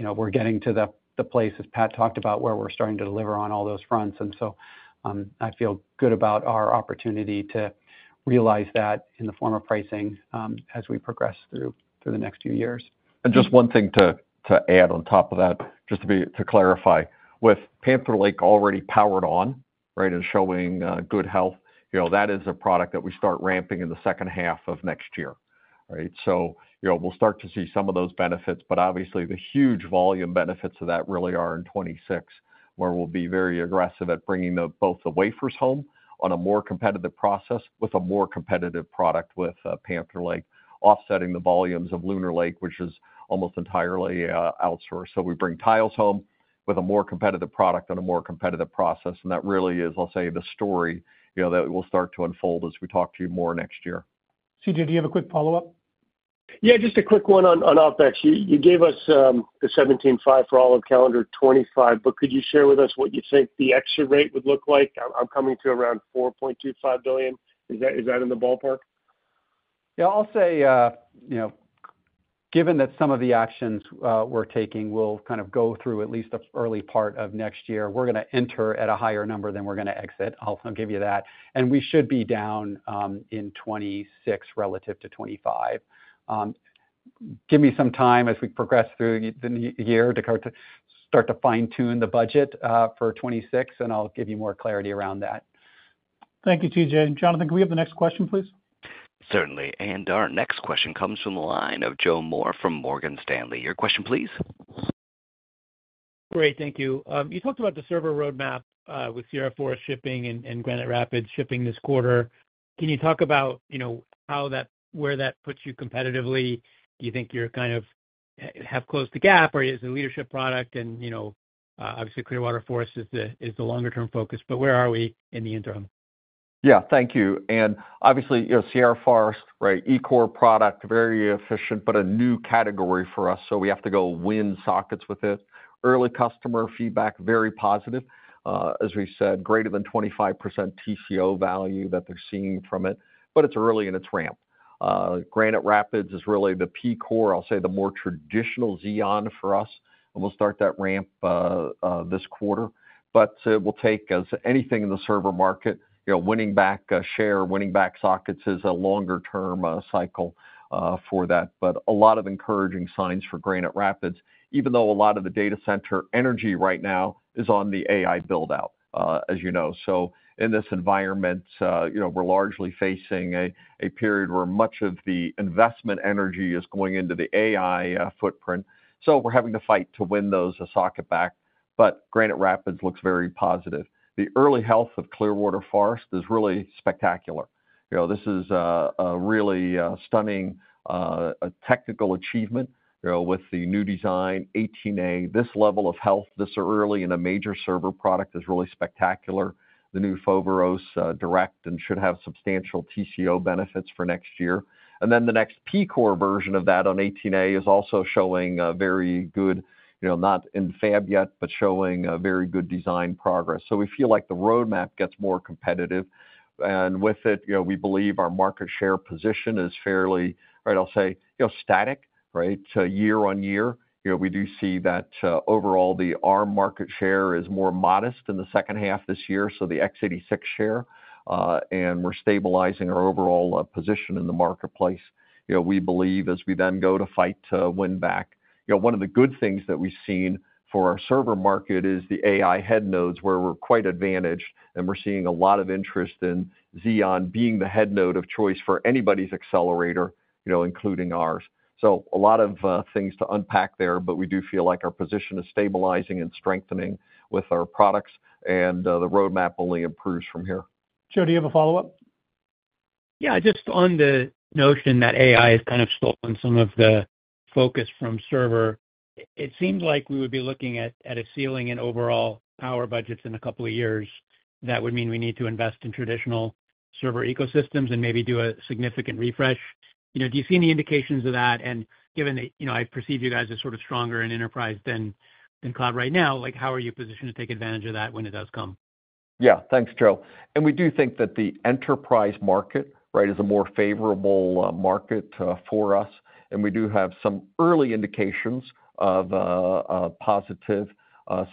know, we're getting to the place, as Pat talked about, where we're starting to deliver on all those fronts. So, I feel good about our opportunity to realize that in the form of pricing, as we progress through the next few years. Just one thing to add on top of that, just to clarify. With Panther Lake already powered on, right, and showing good health, you know, that is a product that we start ramping in the second half of next year. All right? So, you know, we'll start to see some of those benefits, but obviously, the huge volume benefits of that really are in 2026, where we'll be very aggressive at bringing the both the wafers home on a more competitive process with a more competitive product with Panther Lake, offsetting the volumes of Lunar Lake, which is almost entirely outsourced. So we bring tiles home with a more competitive product and a more competitive process, and that really is, I'll say, the story, you know, that will start to unfold as we talk to you more next year. CJ, do you have a quick follow-up? Yeah, just a quick one on OpEx. You gave us the $17.5 billion for all of calendar 2025, but could you share with us what you think the exit rate would look like? I'm coming to around $4.25 billion. Is that in the ballpark? Yeah, I'll say, you know, given that some of the actions we're taking will kind of go through at least the early part of next year, we're going to enter at a higher number than we're going to exit. I'll give you that. And we should be down in 2026 relative to 2025. Give me some time as we progress through the year to start to fine-tune the budget for 2026, and I'll give you more clarity around that. Thank you, CJ. Jonathan, can we have the next question, please? Certainly. Our next question comes from the line of Joe Moore from Morgan Stanley. Your question, please. Great, thank you. You talked about the server roadmap with Sierra Forest shipping and Granite Rapids shipping this quarter. Can you talk about, you know, how that, where that puts you competitively? Do you think you're kind of have closed the gap, or is it a leadership product? And, you know, obviously, Clearwater Forest is the longer term focus, but where are we in the interim? Yeah. Thank you. And obviously, you know, Sierra Forest, right, E-core product, very efficient, but a new category for us, so we have to go win sockets with it. Early customer feedback, very positive. As we said, greater than 25% TCO value that they're seeing from it, but it's early in its ramp. Granite Rapids is really the P-core, I'll say, the more traditional Xeon for us, and we'll start that ramp this quarter. But we'll take as anything in the server market, you know, winning back share, winning back sockets is a longer-term cycle for that. But a lot of encouraging signs for Granite Rapids, even though a lot of the data center energy right now is on the AI build-out, as you know. So in this environment, you know, we're largely facing a period where much of the investment energy is going into the AI footprint. So we're having to fight to win those sockets back. But Granite Rapids looks very positive. The early health of Clearwater Forest is really spectacular. You know, this is a really stunning technical achievement, you know, with the new design, 18A. This level of health this early in a major server product is really spectacular. The new Foveros Direct and should have substantial TCO benefits for next year. And then the next P-core version of that on 18A is also showing a very good, you know, not in fab yet, but showing a very good design progress. So we feel like the roadmap gets more competitive, and with it, you know, we believe our market share position is fairly, right, I'll say, you know, static, right? So year on year, you know, we do see that overall, the Arm market share is more modest in the second half this year, so the x86 share, and we're stabilizing our overall position in the marketplace. You know, we believe as we then go to fight to win back. You know, one of the good things that we've seen for our server market is the AI head nodes, where we're quite advantaged, and we're seeing a lot of interest in Xeon being the head node of choice for anybody's accelerator, you know, including ours. A lot of things to unpack there, but we do feel like our position is stabilizing and strengthening with our products, and the roadmap only improves from here. Joe, do you have a follow-up? Yeah, just on the notion that AI has kind of stolen some of the focus from server.... It seems like we would be looking at a ceiling in overall power budgets in a couple of years. That would mean we need to invest in traditional server ecosystems and maybe do a significant refresh. You know, do you see any indications of that? And given that, you know, I perceive you guys as sort of stronger in enterprise than in cloud right now, like, how are you positioned to take advantage of that when it does come? Yeah. Thanks, Joe. And we do think that the enterprise market, right, is a more favorable market for us, and we do have some early indications of a positive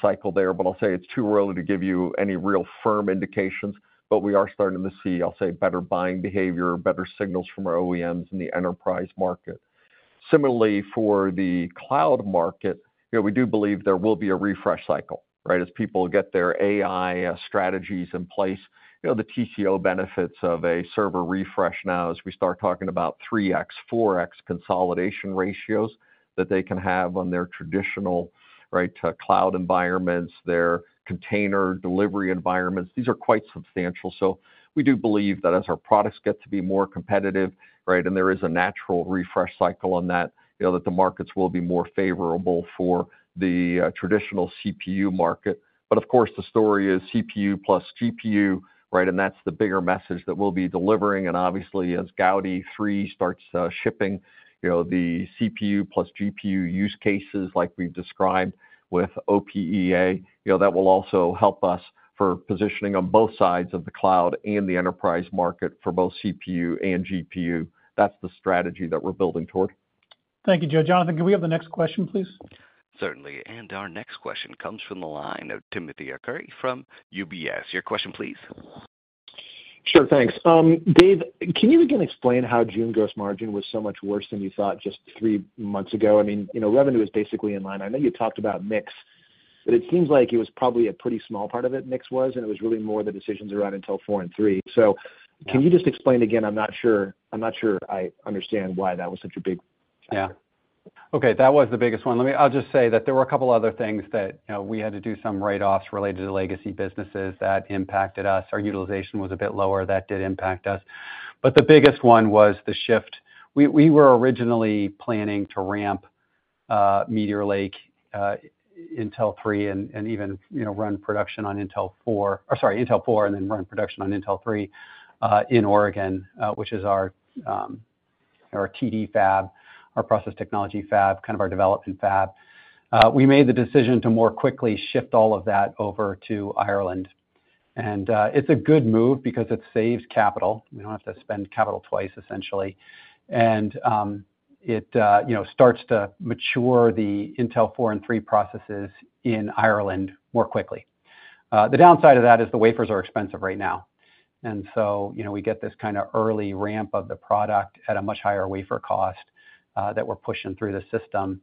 cycle there. But I'll say it's too early to give you any real firm indications. But we are starting to see, I'll say, better buying behavior, better signals from our OEMs in the enterprise market. Similarly, for the cloud market, you know, we do believe there will be a refresh cycle, right, as people get their AI strategies in place. You know, the TCO benefits of a server refresh now, as we start talking about 3x, 4x consolidation ratios, that they can have on their traditional, right, cloud environments, their container delivery environments, these are quite substantial. So we do believe that as our products get to be more competitive, right, and there is a natural refresh cycle on that, you know, that the markets will be more favorable for the traditional CPU market. But of course, the story is CPU plus GPU, right? And that's the bigger message that we'll be delivering. And obviously, as Gaudi 3 starts shipping, you know, the CPU plus GPU use cases like we've described with OPEA, you know, that will also help us for positioning on both sides of the cloud and the enterprise market for both CPU and GPU. That's the strategy that we're building toward. Thank you, Joe. Jonathan, can we have the next question, please? Certainly. Our next question comes from the line of Timothy Arcuri from UBS. Your question, please. Sure, thanks. Dave, can you again explain how June gross margin was so much worse than you thought just three months ago? I mean, you know, revenue is basically in line. I know you talked about mix, but it seems like it was probably a pretty small part of it, mix was, and it was really more the decisions around Intel 4 and Intel 3. Can you just explain again? I'm not sure, I'm not sure I understand why that was such a big factor. Yeah. Okay, that was the biggest one. Let me. I'll just say that there were a couple other things that, you know, we had to do some write-offs related to legacy businesses that impacted us. Our utilization was a bit lower. That did impact us. But the biggest one was the shift. We were originally planning to ramp Meteor Lake, Intel 3 and even, you know, run production on Intel 4. Or sorry, Intel 4, and then run production on Intel 3 in Oregon, which is our TD fab, our process technology fab, kind of our development fab. We made the decision to more quickly shift all of that over to Ireland. It's a good move because it saves capital. We don't have to spend capital twice, essentially. And, you know, it starts to mature the Intel 4 and 3 processes in Ireland more quickly. The downside of that is the wafers are expensive right now, and so, you know, we get this kind of early ramp of the product at a much higher wafer cost that we're pushing through the system,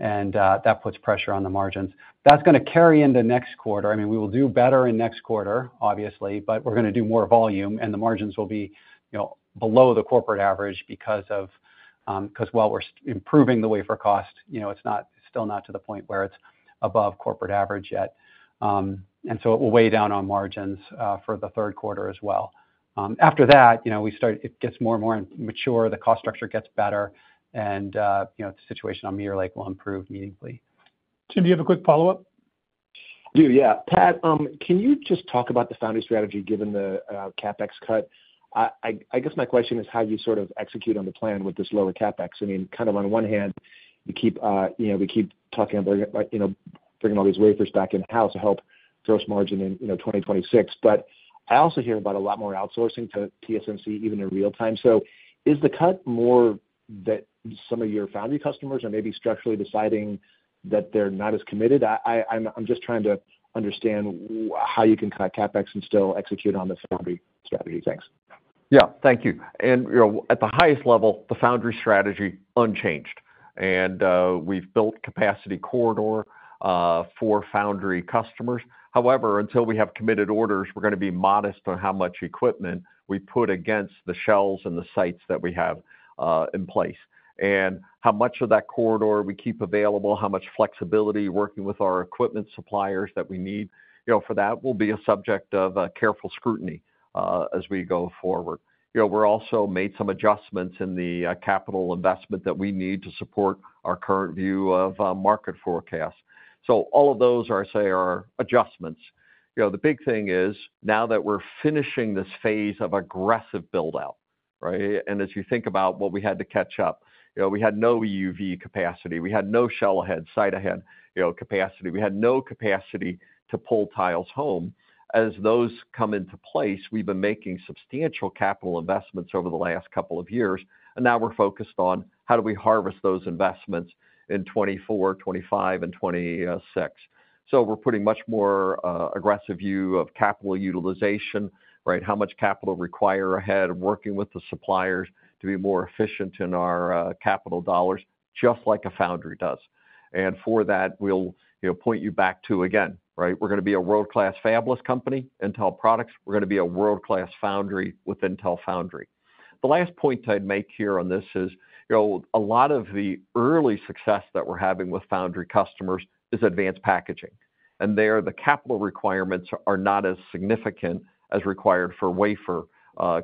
and that puts pressure on the margins. That's going to carry into next quarter. I mean, we will do better in next quarter, obviously, but we're going to do more volume, and the margins will be, you know, below the corporate average because of because while we're improving the wafer cost, you know, it's not, still not to the point where it's above corporate average yet. And so it will weigh down on margins for the third quarter as well. After that, you know, it gets more and more mature, the cost structure gets better, and, you know, the situation on Meteor Lake will improve meaningfully. Tim, do you have a quick follow-up? I do, yeah. Pat, can you just talk about the foundry strategy, given the CapEx cut? I guess my question is how you sort of execute on the plan with this lower CapEx. I mean, kind of on one hand, you keep, you know, we keep talking about, you know, bringing all these wafers back in-house to help gross margin in, you know, 2026. But I also hear about a lot more outsourcing to TSMC, even in real time. So is the cut more that some of your foundry customers are maybe structurally deciding that they're not as committed? I'm just trying to understand how you can cut CapEx and still execute on the foundry strategy. Thanks. Yeah. Thank you. And you know, at the highest level, the foundry strategy, unchanged. And we've built capacity corridor for foundry customers. However, until we have committed orders, we're going to be modest on how much equipment we put against the shelves and the sites that we have in place. And how much of that corridor we keep available, how much flexibility working with our equipment suppliers that we need, you know, for that will be a subject of careful scrutiny as we go forward. You know, we're also made some adjustments in the capital investment that we need to support our current view of market forecast. So all of those are adjustments. You know, the big thing is, now that we're finishing this phase of aggressive build-out, right? As you think about what we had to catch up, you know, we had no EUV capacity. We had no shell ahead, site ahead, you know, capacity. We had no capacity to pull tiles home. As those come into place, we've been making substantial capital investments over the last couple of years, and now we're focused on how do we harvest those investments in 2024, 2025, and 2026. So we're putting much more aggressive view of capital utilization, right? How much capital require ahead, and working with the suppliers to be more efficient in our capital dollars, just like a foundry does. And for that, we'll, you know, point you back to again, right? We're going to be a world-class fabless company, Intel Products. We're going to be a world-class foundry with Intel Foundry. The last point I'd make here on this is, you know, a lot of the early success that we're having with foundry customers is advanced packaging, and there, the capital requirements are not as significant as required for wafer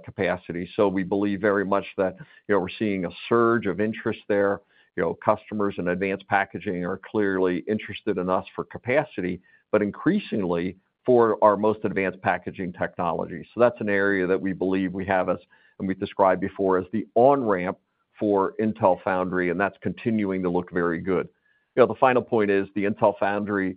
capacity. So we believe very much that, you know, we're seeing a surge of interest there. You know, customers in advanced packaging are clearly interested in us for capacity, but increasingly, for our most advanced packaging technology. So that's an area that we believe we have as, and we've described before, as the on-ramp for Intel Foundry, and that's continuing to look very good. You know, the final point is the Intel Foundry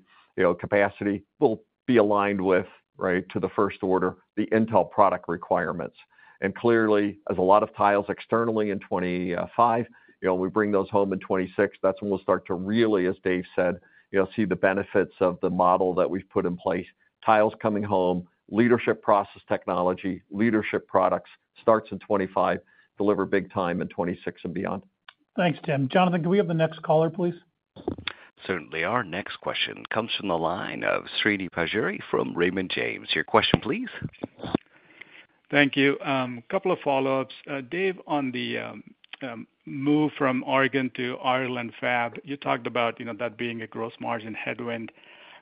capacity will be aligned with, right, to the first order, the Intel product requirements. And clearly, as a lot of tiles externally in 2025, you know, we bring those home in 2026, that's when we'll start to really, as Dave said, you'll see the benefits of the model that we've put in place. Tiles coming home, leadership process technology, leadership products, starts in 2025, deliver big time in 2026 and beyond. Thanks, Tim. Jonathan, can we have the next caller, please? Certainly. Our next question comes from the line of Srini Pajjuri from Raymond James. Your question, please. Thank you. Couple of follow-ups. Dave, on the move from Oregon to Ireland fab, you talked about, you know, that being a gross margin headwind.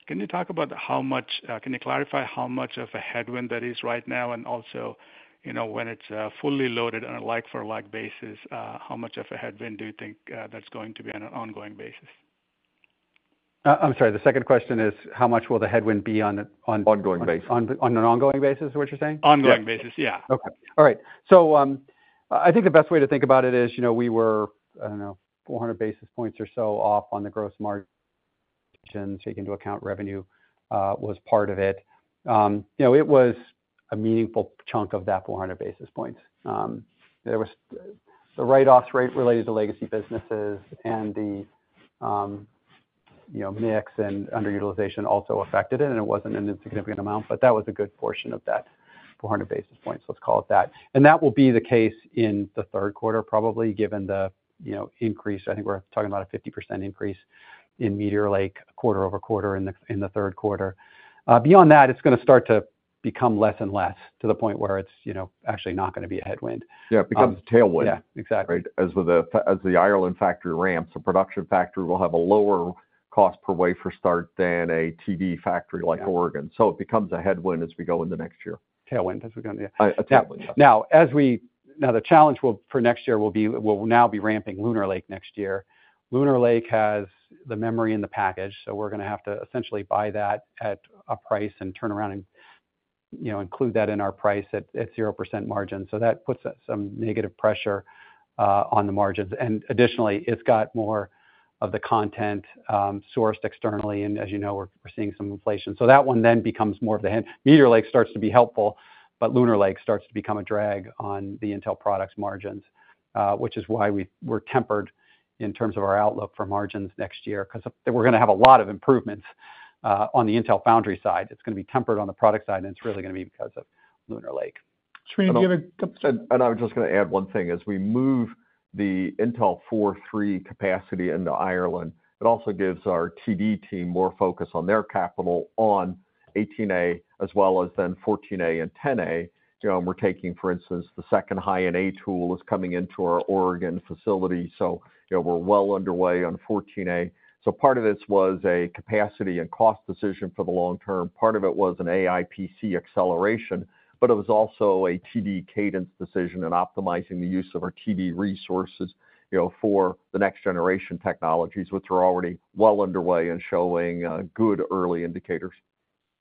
Can you talk about how much... Can you clarify how much of a headwind that is right now? And also, you know, when it's fully loaded on a like for like basis, how much of a headwind do you think that's going to be on an ongoing basis? I'm sorry, the second question is, how much will the headwind be on, Ongoing basis. On an ongoing basis, is what you're saying? Ongoing basis, yeah. Okay. All right. So, I think the best way to think about it is, you know, we were, I don't know, 400 basis points or so off on the gross margin, taking into account revenue, was part of it. You know, it was a meaningful chunk of that 400 basis points. There was the write-offs rate related to legacy businesses and the, you know, mix and underutilization also affected it, and it wasn't in a significant amount, but that was a good portion of that 400 basis points, let's call it that. And that will be the case in the third quarter, probably, given the, you know, increase. I think we're talking about a 50% increase in Meteor Lake, quarter-over-quarter in the third quarter. Beyond that, it's going to start to become less and less, to the point where it's, you know, actually not going to be a headwind. Yeah, becomes a tailwind. Yeah, exactly. Right. As the Ireland factory ramps, the production factory will have a lower cost per wafer start than a TD factory like Oregon. Yeah. It becomes a headwind as we go into next year. Tailwind as we go, yeah. A tailwind. Now, the challenge for next year will be, we'll now be ramping Lunar Lake next year. Lunar Lake has the memory in the package, so we're going to have to essentially buy that at a price and turn around and, you know, include that in our price at 0% margin. So that puts some negative pressure on the margins. And additionally, it's got more of the content sourced externally, and as you know, we're seeing some inflation. So that one then becomes more of the Meteor Lake starts to be helpful, but Lunar Lake starts to become a drag on the Intel products margins, which is why we're tempered in terms of our outlook for margins next year, because we're going to have a lot of improvements on the Intel Foundry side. It's going to be tempered on the product side, and it's really going to be because of Lunar Lake. Srini, do you have a- And I was just going to add one thing. As we move the Intel 4, 3 capacity into Ireland, it also gives our TD team more focus on their capital on 18A, as well as then 14A and 10A. You know, and we're taking, for instance, the second high-NA tool is coming into our Oregon facility, so, you know, we're well underway on 14A. So part of this was a capacity and cost decision for the long term. Part of it was an AI PC acceleration, but it was also a TD cadence decision and optimizing the use of our TD resources, you know, for the next generation technologies, which are already well underway and showing good early indicators.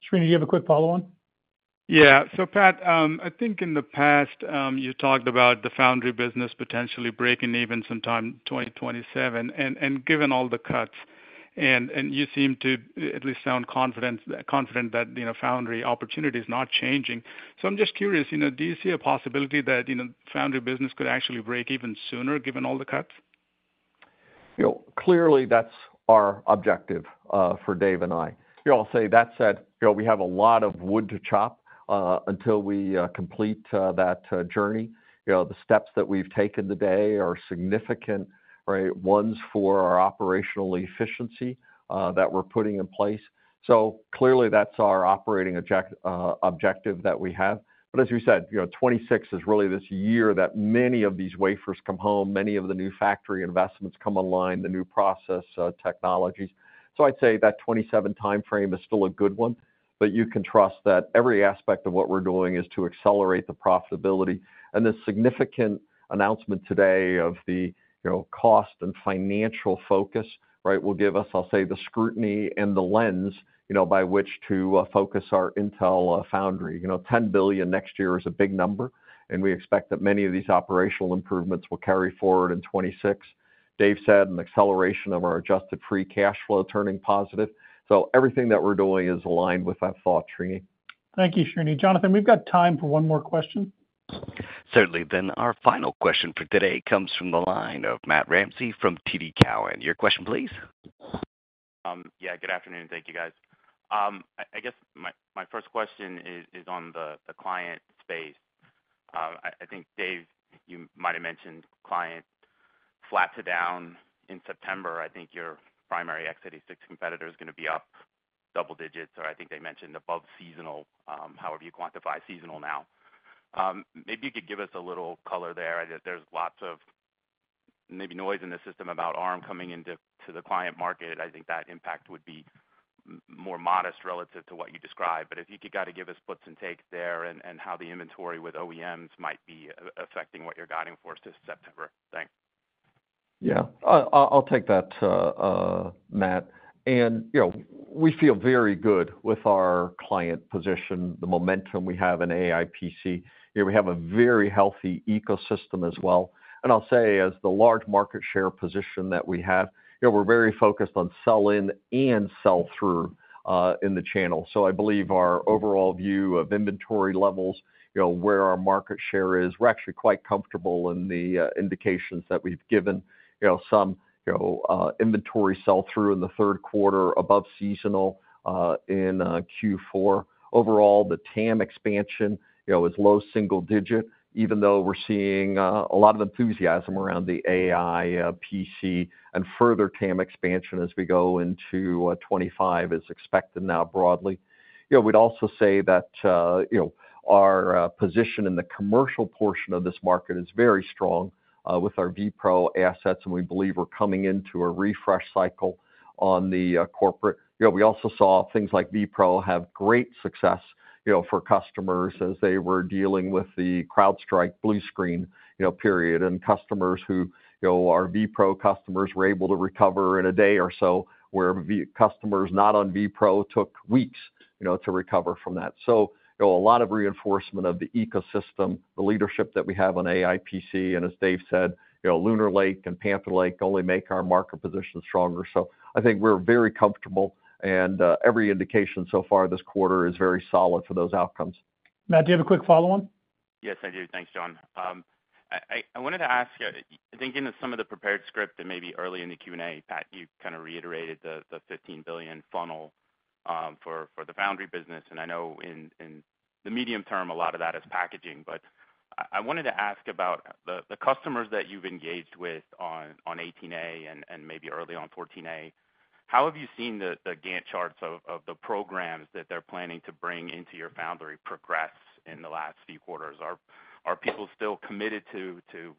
Srini, do you have a quick follow-on? Yeah. So Pat, I think in the past, you talked about the foundry business potentially breaking even sometime 2027. And given all the cuts, and you seem to at least sound confident that, you know, foundry opportunity is not changing. So I'm just curious, you know, do you see a possibility that, you know, foundry business could actually break even sooner, given all the cuts? You know, clearly, that's our objective for Dave and I. You know, I'll say that said, you know, we have a lot of wood to chop until we complete that journey. You know, the steps that we've taken today are significant, right, ones for our operational efficiency that we're putting in place. So clearly, that's our operating objective that we have. But as we said, you know, 2026 is really this year that many of these wafers come home, many of the new factory investments come online, the new process technologies. So I'd say that 2027 timeframe is still a good one, but you can trust that every aspect of what we're doing is to accelerate the profitability. The significant announcement today of the, you know, cost and financial focus, right, will give us, I'll say, the scrutiny and the lens, you know, by which to focus our Intel foundry. You know, $10 billion next year is a big number, and we expect that many of these operational improvements will carry forward in 2026. Dave said an acceleration of our adjusted free cash flow turning positive. So everything that we're doing is aligned with that thought, Srini. Thank you, Srini. Jonathan, we've got time for one more question. Certainly. Then our final question for today comes from the line of Matt Ramsey from TD Cowen. Your question, please. Yeah, good afternoon. Thank you, guys. I guess my first question is on the client space. I think, Dave, you might have mentioned clients flat to down in September. I think your primary x86 competitor is going to be up double digits, or I think they mentioned above seasonal, however you quantify seasonal now. Maybe you could give us a little color there. There's lots of noise in the system about Arm coming into the client market. I think that impact would be more modest relative to what you described. But if you could kind of give us splits and takes there, and how the inventory with OEMs might be affecting what you're guiding for September? Thanks. Yeah. I, I'll take that, Matt. And, you know, we feel very good with our client position, the momentum we have in AI PC. You know, we have a very healthy ecosystem as well. And I'll say, as the large market share position that we have, you know, we're very focused on sell in and sell through, in the channel. So I believe our overall view of inventory levels, you know, where our market share is, we're actually quite comfortable in the, indications that we've given. You know, some, you know, inventory sell through in the third quarter above seasonal, in, Q4. Overall, the TAM expansion, you know, is low single digit, even though we're seeing, a lot of enthusiasm around the AI, PC, and further TAM expansion as we go into, 2025, is expected now broadly. You know, we'd also say that, you know, our position in the commercial portion of this market is very strong with our vPro assets, and we believe we're coming into a refresh cycle on the corporate. You know, we also saw things like vPro have great success, you know, for customers as they were dealing with the CrowdStrike blue screen, you know, period. And customers who, you know, are vPro customers, were able to recover in a day or so, where customers not on vPro took weeks, you know, to recover from that. So, you know, a lot of reinforcement of the ecosystem, the leadership that we have on AI PC, and as Dave said, you know, Lunar Lake and Panther Lake only make our market position stronger. So I think we're very comfortable, and every indication so far this quarter is very solid for those outcomes. Matt, do you have a quick follow-on? Yes, I do. Thanks, John. I wanted to ask, I think in some of the prepared script and maybe early in the Q&A, Pat, you kind of reiterated the $15 billion funnel for the foundry business, and I know in the medium term, a lot of that is packaging. But I wanted to ask about the customers that you've engaged with on 18A and maybe early on 14A, how have you seen the Gantt charts of the programs that they're planning to bring into your foundry progress in the last few quarters? Are people still committed to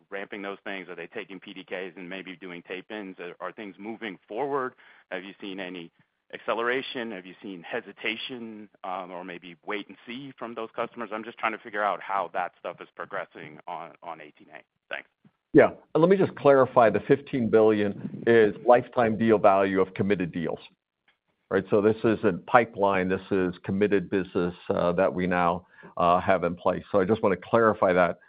ramping those things? Are they taking PDKs and maybe doing tape-ins? Are things moving forward? Have you seen any acceleration? Have you seen hesitation or maybe wait and see from those customers? I'm just trying to figure out how that stuff is progressing on 18A. Thanks. Yeah. Let me just clarify, the $15 billion is lifetime deal value of committed deals, right? So this isn't pipeline, this is committed business, that we now, have in place. So I just want to clarify that,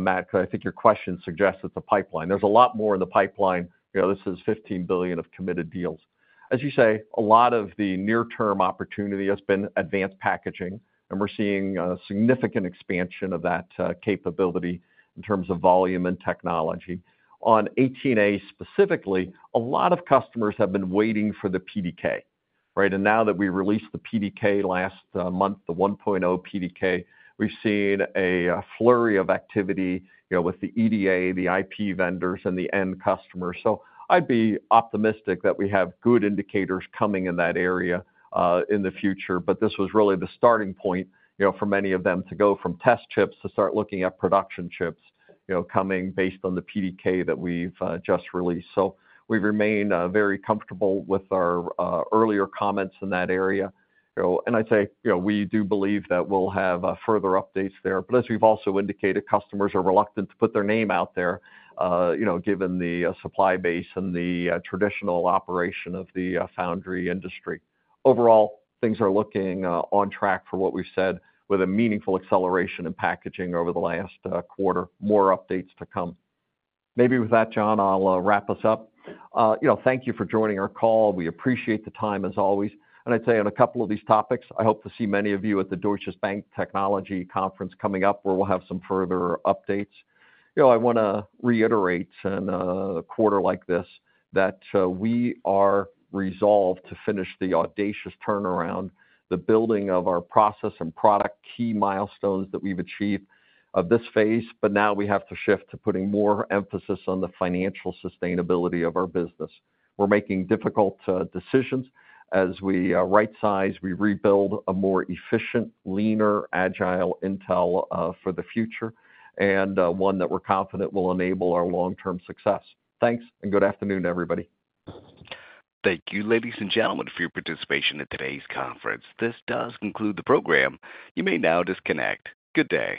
Matt, because I think your question suggests it's a pipeline. There's a lot more in the pipeline. You know, this is $15 billion of committed deals. As you say, a lot of the near-term opportunity has been advanced packaging, and we're seeing a significant expansion of that, capability in terms of volume and technology. On 18A, specifically, a lot of customers have been waiting for the PDK, right? And now that we released the PDK last month, the 1.0 PDK, we've seen a flurry of activity, you know, with the EDA, the IP vendors, and the end customer. So I'd be optimistic that we have good indicators coming in that area, in the future. But this was really the starting point, you know, for many of them to go from test chips to start looking at production chips, you know, coming based on the PDK that we've just released. So we remain very comfortable with our earlier comments in that area. You know, and I'd say, you know, we do believe that we'll have further updates there. But as we've also indicated, customers are reluctant to put their name out there, you know, given the supply base and the traditional operation of the foundry industry. Overall, things are looking on track for what we've said, with a meaningful acceleration in packaging over the last quarter. More updates to come. Maybe with that, John, I'll wrap us up. You know, thank you for joining our call. We appreciate the time, as always, and I'd say on a couple of these topics, I hope to see many of you at the Deutsche Bank Technology Conference coming up, where we'll have some further updates. You know, I wanna reiterate in a quarter like this, that we are resolved to finish the audacious turnaround, the building of our process and product, key milestones that we've achieved of this phase, but now we have to shift to putting more emphasis on the financial sustainability of our business. We're making difficult decisions as we rightsize, we rebuild a more efficient, leaner, agile Intel for the future, and one that we're confident will enable our long-term success. Thanks, and good afternoon, everybody. Thank you, ladies and gentlemen, for your participation in today's conference. This does conclude the program. You may now disconnect. Good day.